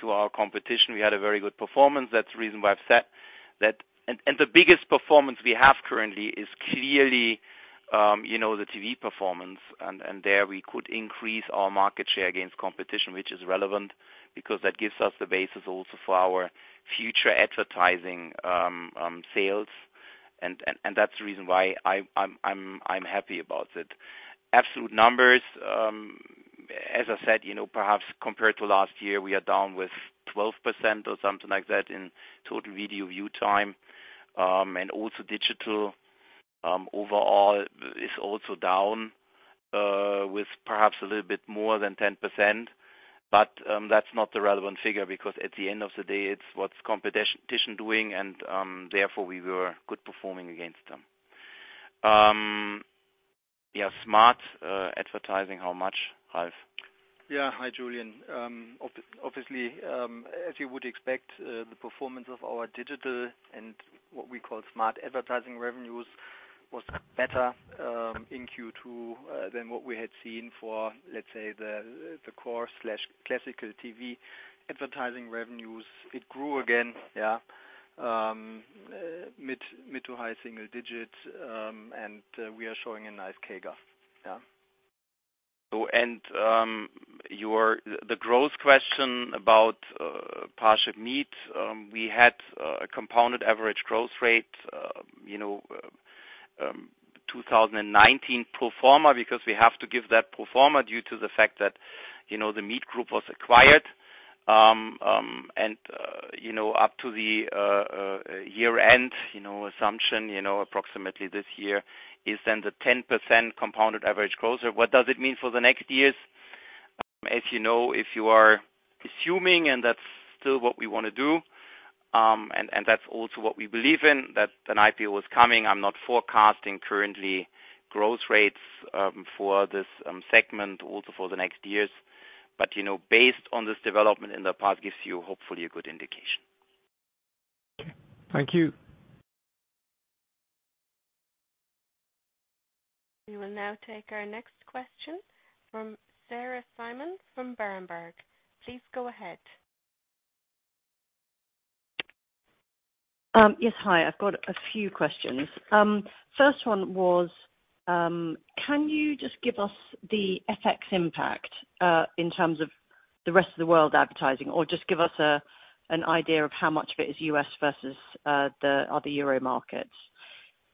to our competition, we had a very good performance. That's the reason why I've said that. The biggest performance we have currently is clearly, you know, the TV performance. There we could increase our market share against competition, which is relevant because that gives us the basis also for our future advertising sales. That's the reason why I'm happy about it. Absolute numbers, as I said, you know, perhaps compared to last year, we are down with 12% or something like that in total video view time. Also digital overall is also down with perhaps a little bit more than 10%. That's not the relevant figure because at the end of the day, it's what's competition doing and therefore we were good performing against them. Yeah, smart advertising. How much, Ralf? Hi, Julien. Obviously, as you would expect, the performance of our digital and what we call smart advertising revenues was better in Q2 than what we had seen for, let's say, the core classical TV advertising revenues. It grew again mid- to high-single digits%. We are showing a nice CAGR. The growth question about ParshipMeet, we had a compounded average growth rate, you know, 2019 pro forma, because we have to give that pro forma due to the fact that, you know, The Meet Group was acquired. You know, up to the year-end assumption, you know, approximately this year is then the 10% compounded average CAGR. What does it mean for the next years? As you know, if you are assuming, and that's still what we wanna do, and that's also what we believe in, that an IPO is coming. I'm not forecasting currently growth rates for this segment also for the next years. You know, based on this development in the past gives you hopefully a good indication. Okay. Thank you. We will now take our next question from Sarah Simon from Berenberg. Please go ahead. Yes. Hi. I've got a few questions. First one was, can you just give us the FX impact in terms of the rest of the world advertising? Or just give us an idea of how much of it is U.S. versus the other Euro markets.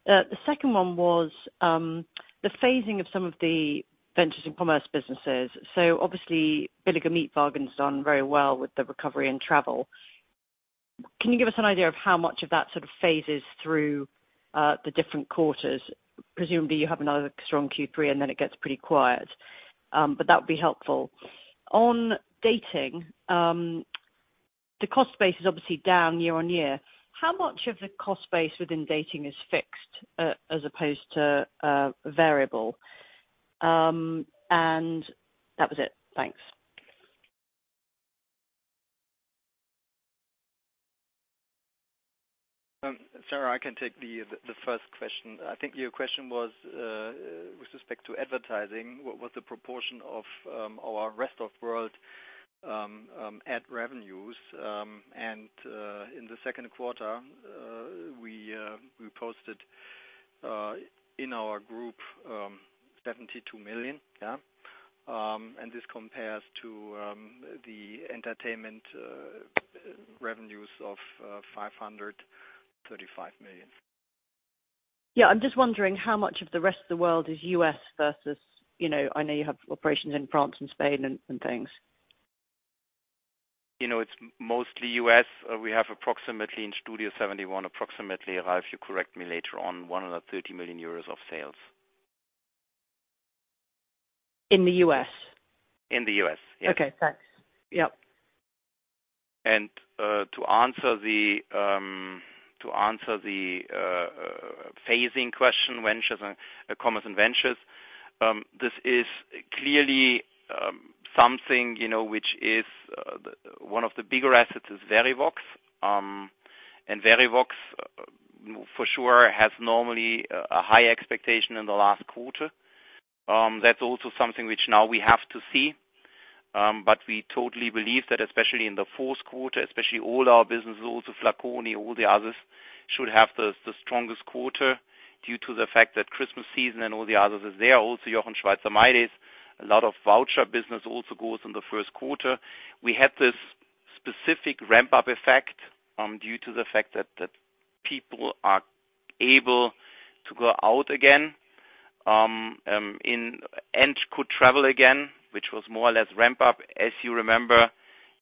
The second one was the phasing of some of the ventures and commerce businesses. So obviously Billiger Mietwagen has done very well with the recovery in travel. Can you give us an idea of how much of that sort of phases through the different quarters? Presumably, you have another strong Q3, and then it gets pretty quiet. But that would be helpful. On dating, the cost base is obviously down year-on-year. How much of the cost base within dating is fixed as opposed to variable? And that was it. Thanks. Sarah, I can take the first question. I think your question was with respect to advertising, what was the proportion of our rest of world ad revenues. In the second quarter we posted in our group 72 million, yeah. This compares to the entertainment revenues of 535 million. Yeah. I'm just wondering how much of the rest of the world is U.S. versus, you know, I know you have operations in France and Spain and things. You know, it's mostly U.S. We have approximately in Studio71, approximately, Ralf, you correct me later on, 130 million euros of sales. In the U.S.? In the U.S., yes. Okay, thanks. Yep. To answer the phasing question, ventures and commerce and ventures, this is clearly something, you know, which is one of the bigger assets is Verivox. And Verivox for sure has normally a high expectation in the last quarter. That's also something which now we have to see. But we totally believe that especially in the fourth quarter, especially all our businesses, also Flaconi, all the others should have the strongest quarter due to the fact that Christmas season and all the others is there. Also Jochen Schweizer mydays, a lot of voucher business also goes in the first quarter. We had this specific ramp-up effect due to the fact that people are able to go out again and could travel again, which was more or less ramp up. As you remember,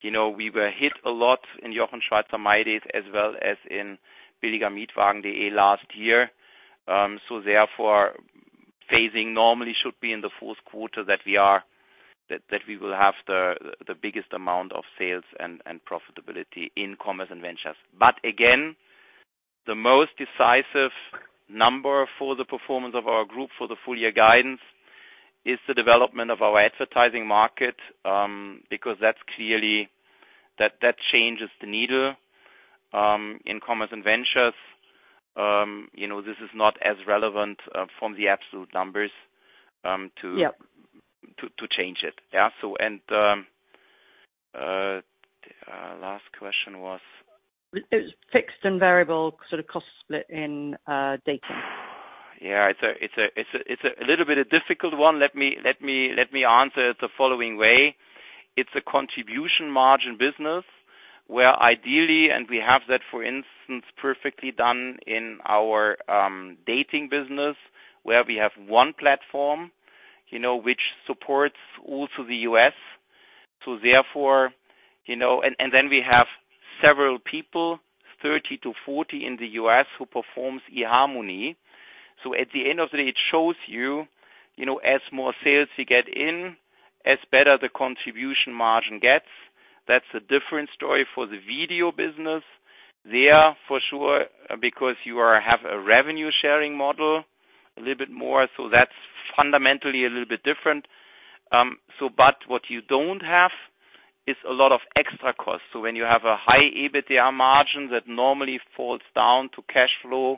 you know, we were hit a lot in Jochen Schweizer mydays as well as in billiger-mietwagen.de last year. Therefore phasing normally should be in the fourth quarter that we will have the biggest amount of sales and profitability in commerce and ventures. Again, the most decisive number for the performance of our group for the full year guidance is the development of our advertising market, because that's clearly that changes the needle in commerce and ventures. You know, this is not as relevant from the absolute numbers to- Yeah. To change it. Yeah. Last question was? It was fixed and variable sort of cost split in dating. It's a little bit a difficult one. Let me answer it the following way. It's a contribution margin business where ideally, and we have that for instance perfectly done in our dating business, where we have one platform, you know, which supports also the U.S. Therefore, you know. Then we have several people, 30-40 in the U.S. who performs eHarmony. At the end of the day, it shows you know, as more sales you get in, as better the contribution margin gets. That's a different story for the video business. There for sure, because you have a revenue sharing model a little bit more, so that's fundamentally a little bit different. But what you don't have is a lot of extra costs. When you have a high EBITDA margin that normally falls down to cash flow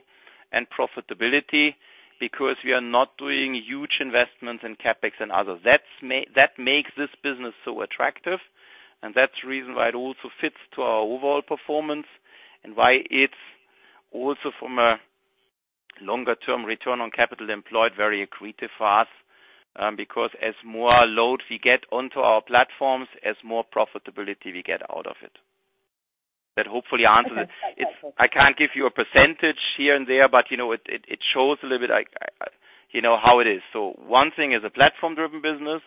and profitability because we are not doing huge investments in CapEx and others. That makes this business so attractive, and that's the reason why it also fits to our overall performance and why it's also from a longer-term return on capital employed very accretive for us. Because as more load we get onto our platforms, as more profitability we get out of it. That hopefully answers it. That's helpful. I can't give you a percentage here and there, but you know, it shows a little bit, like you know, how it is. One thing is a platform-driven business.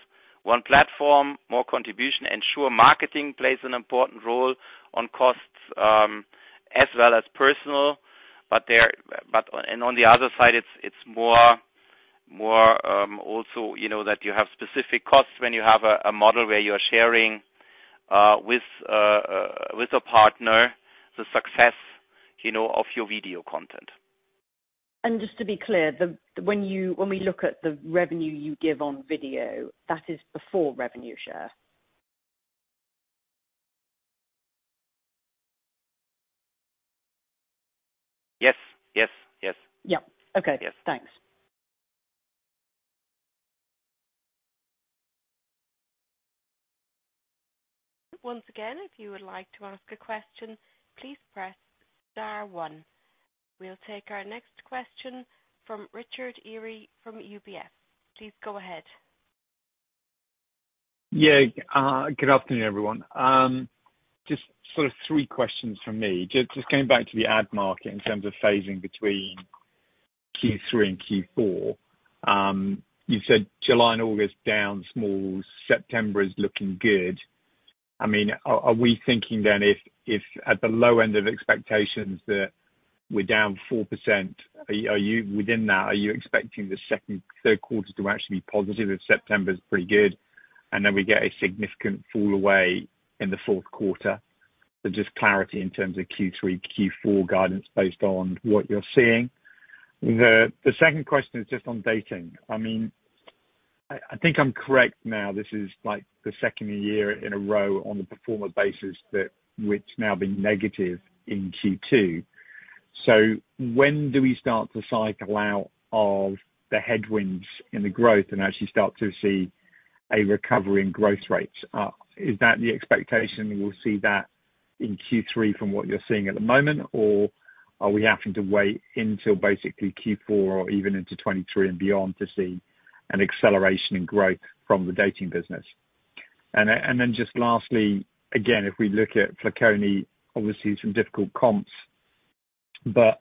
One platform, more contribution, in your marketing plays an important role on costs, as well as personnel. On the other side, it's more also, you know that you have specific costs when you have a model where you are sharing with a partner, the success you know, of your video content. Just to be clear, when we look at the revenue you give on video, that is before revenue share? Yes, yes. Yeah. Okay. Yes. Thanks. Once again, if you would like to ask a question, please press star one. We'll take our next question from Richard Eary from UBS. Please go ahead. Yeah. Good afternoon, everyone. Just sort of three questions from me. Just going back to the ad market in terms of phasing between Q3 and Q4. You said July and August down small, September is looking good. I mean, are we thinking then if at the low end of expectations that we're down 4%, are you within that? Are you expecting the third quarter to actually be positive if September is pretty good, and then we get a significant fall away in the fourth quarter? Just clarity in terms of Q3, Q4 guidance based on what you're seeing. The second question is just on dating. I mean, I think I'm correct now, this is like the second year in a row on the pro forma basis that it's now been negative in Q2. When do we start to cycle out of the headwinds in the growth and actually start to see a recovery in growth rates? Is that the expectation we'll see that in Q3 from what you're seeing at the moment? Or are we having to wait until basically Q4 or even into 2023 and beyond to see an acceleration in growth from the dating business? Then just lastly, again, if we look at Flaconi, obviously some difficult comps, but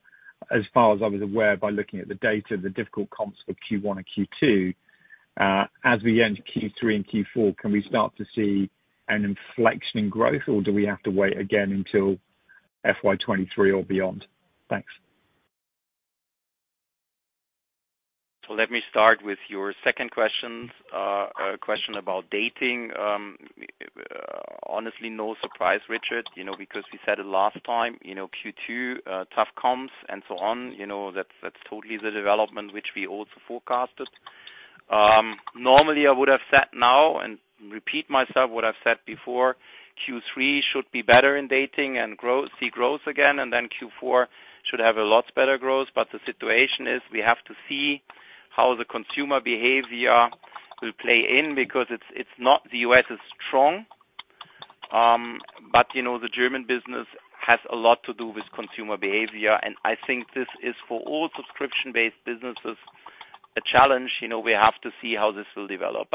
as far as I was aware by looking at the data, the difficult comps for Q1 and Q2, as we end Q3 and Q4, can we start to see an inflection in growth, or do we have to wait again until FY 2023 or beyond? Thanks. Let me start with your second question. A question about dating. Honestly, no surprise, Richard, you know, because we said it last time, you know, Q2, tough comps and so on, you know, that's totally the development which we also forecasted. Normally I would have said now and repeat myself what I've said before, Q3 should be better in dating and see growth again, and then Q4 should have a lot better growth. The situation is we have to see how the consumer behavior will play in because it's not, the U.S. is strong. You know, the German business has a lot to do with consumer behavior. I think this is for all subscription-based businesses, a challenge. You know, we have to see how this will develop.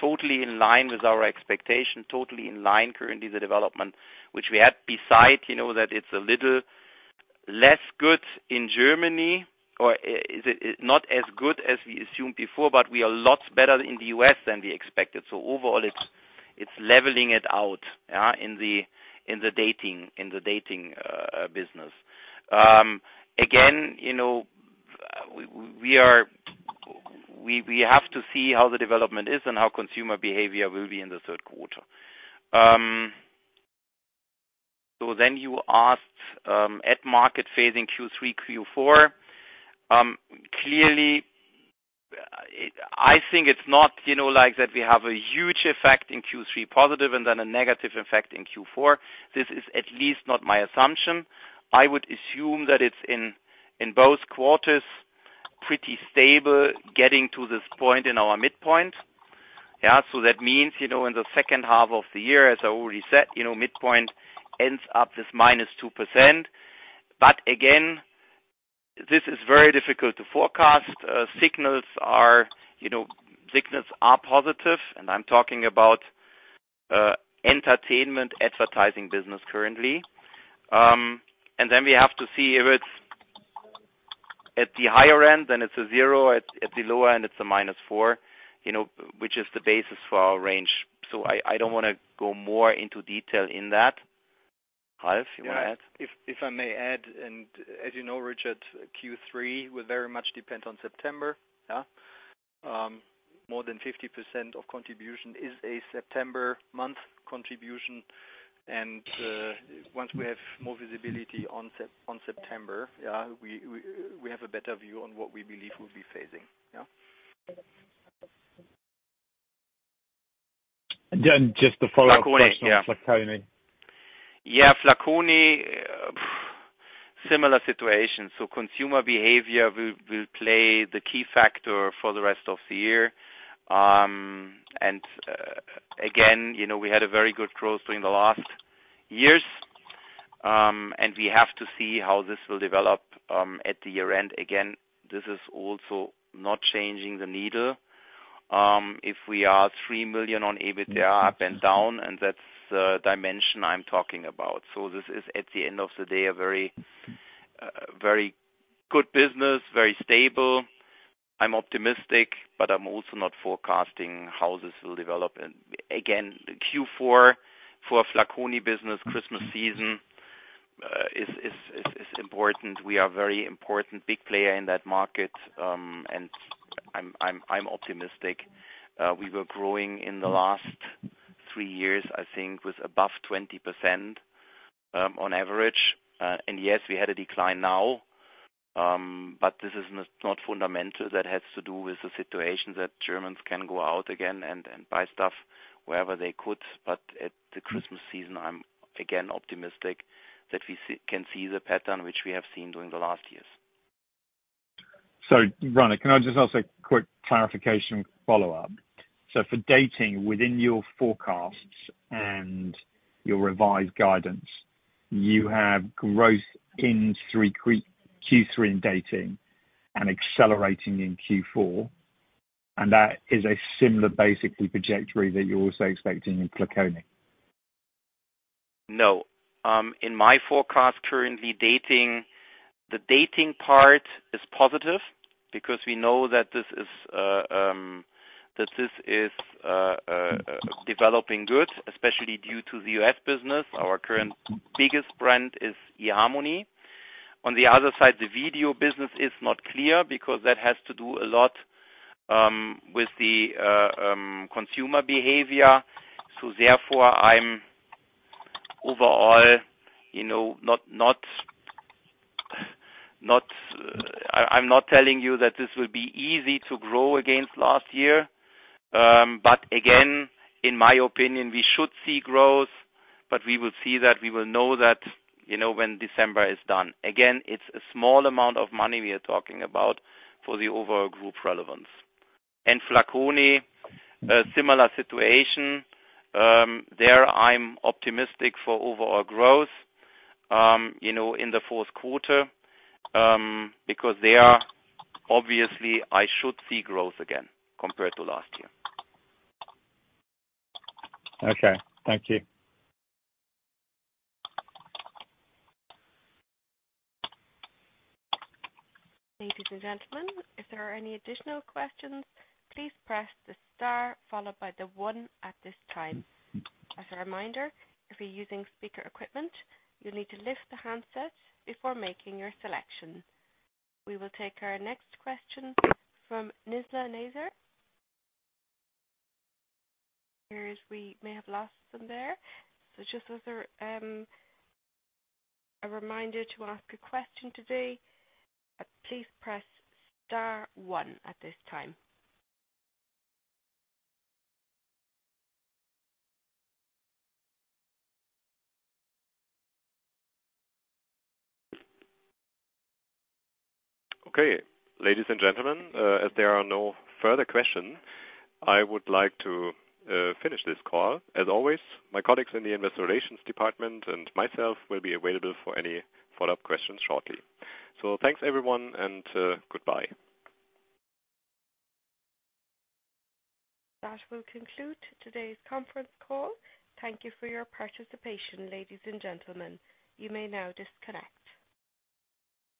Totally in line with our expectation, totally in line currently the development which we had besides, you know that it's a little less good in Germany or not as good as we assumed before, but we are lots better in the U.S. than we expected. Overall, it's leveling it out in the dating business. Again, you know, we have to see how the development is and how consumer behavior will be in the third quarter. You asked ad market phasing Q3, Q4. Clearly, I think it's not, you know, like that we have a huge effect in Q3 positive and then a negative effect in Q4. This is at least not my assumption. I would assume that it's in both quarters, pretty stable getting to this point in our midpoint. That means, you know, in the second half of the year, as I already said, you know, midpoint ends up this -2%. But again, this is very difficult to forecast. Signals are, you know, positive, and I'm talking about entertainment advertising business currently. And then we have to see if it's at the higher end, then it's a zero, at the lower end, it's a -4%. You know, which is the basis for our range. I don't wanna go more into detail in that. Ralf, you wanna add? Yeah. If I may add, and as you know, Richard, Q3 will very much depend on September, yeah. More than 50% of contribution is a September month contribution. Once we have more visibility on September, yeah, we have a better view on what we believe will be phasing. Yeah. Just a follow-up question on Flaconi. Yeah. Flaconi, similar situation. Consumer behavior will play the key factor for the rest of the year. Again, you know, we had a very good growth during the last years. We have to see how this will develop at the year-end. Again, this is also not moving the needle. If we are 3 million on EBITDA up and down, and that's the dimension I'm talking about. This is, at the end of the day, a very good business, very stable. I'm optimistic, but I'm also not forecasting how this will develop. Again, Q4 for Flaconi business, Christmas season is important. We are very important big player in that market. I'm optimistic. We were growing in the last three years, I think, with above 20% on average. Yes, we had a decline now, but this is not fundamental. That has to do with the situation that Germans can go out again and buy stuff wherever they could. At the Christmas season, I'm again optimistic that we can see the pattern which we have seen during the last years. Rainer, can I just ask a quick clarification follow-up? For dating, within your forecasts and your revised guidance, you have growth in the Q3 in dating and accelerating in Q4. That is a similar, basically, trajectory that you're also expecting in Flaconi. No. In my forecast, currently, the dating part is positive because we know that this is developing good, especially due to the U.S. business. Our current biggest brand is eHarmony. On the other side, the video business is not clear because that has to do a lot with the consumer behavior. Therefore, I'm overall, you know, not. I'm not telling you that this will be easy to grow against last year. Again, in my opinion, we should see growth, but we will see that, we will know that, you know, when December is done. Again, it's a small amount of money we are talking about for the overall group relevance. Flaconi, a similar situation. I'm optimistic for overall growth, you know, in the fourth quarter, because, obviously, I should see growth again compared to last year. Okay. Thank you. Ladies and gentlemen, if there are any additional questions, please press the star followed by the one at this time. As a reminder, if you're using speaker equipment, you'll need to lift the handsets before making your selection. We will take our next question from Fathima-Nizla Naizer. It appears we may have lost them there. Just as a reminder to ask a question today, please press star one at this time. Okay. Ladies and gentlemen, if there are no further questions, I would like to finish this call. As always, my colleagues in the investor relations department and myself will be available for any follow-up questions shortly. Thanks, everyone, and goodbye. That will conclude today's conference call. Thank you for your participation, ladies and gentlemen. You may now disconnect.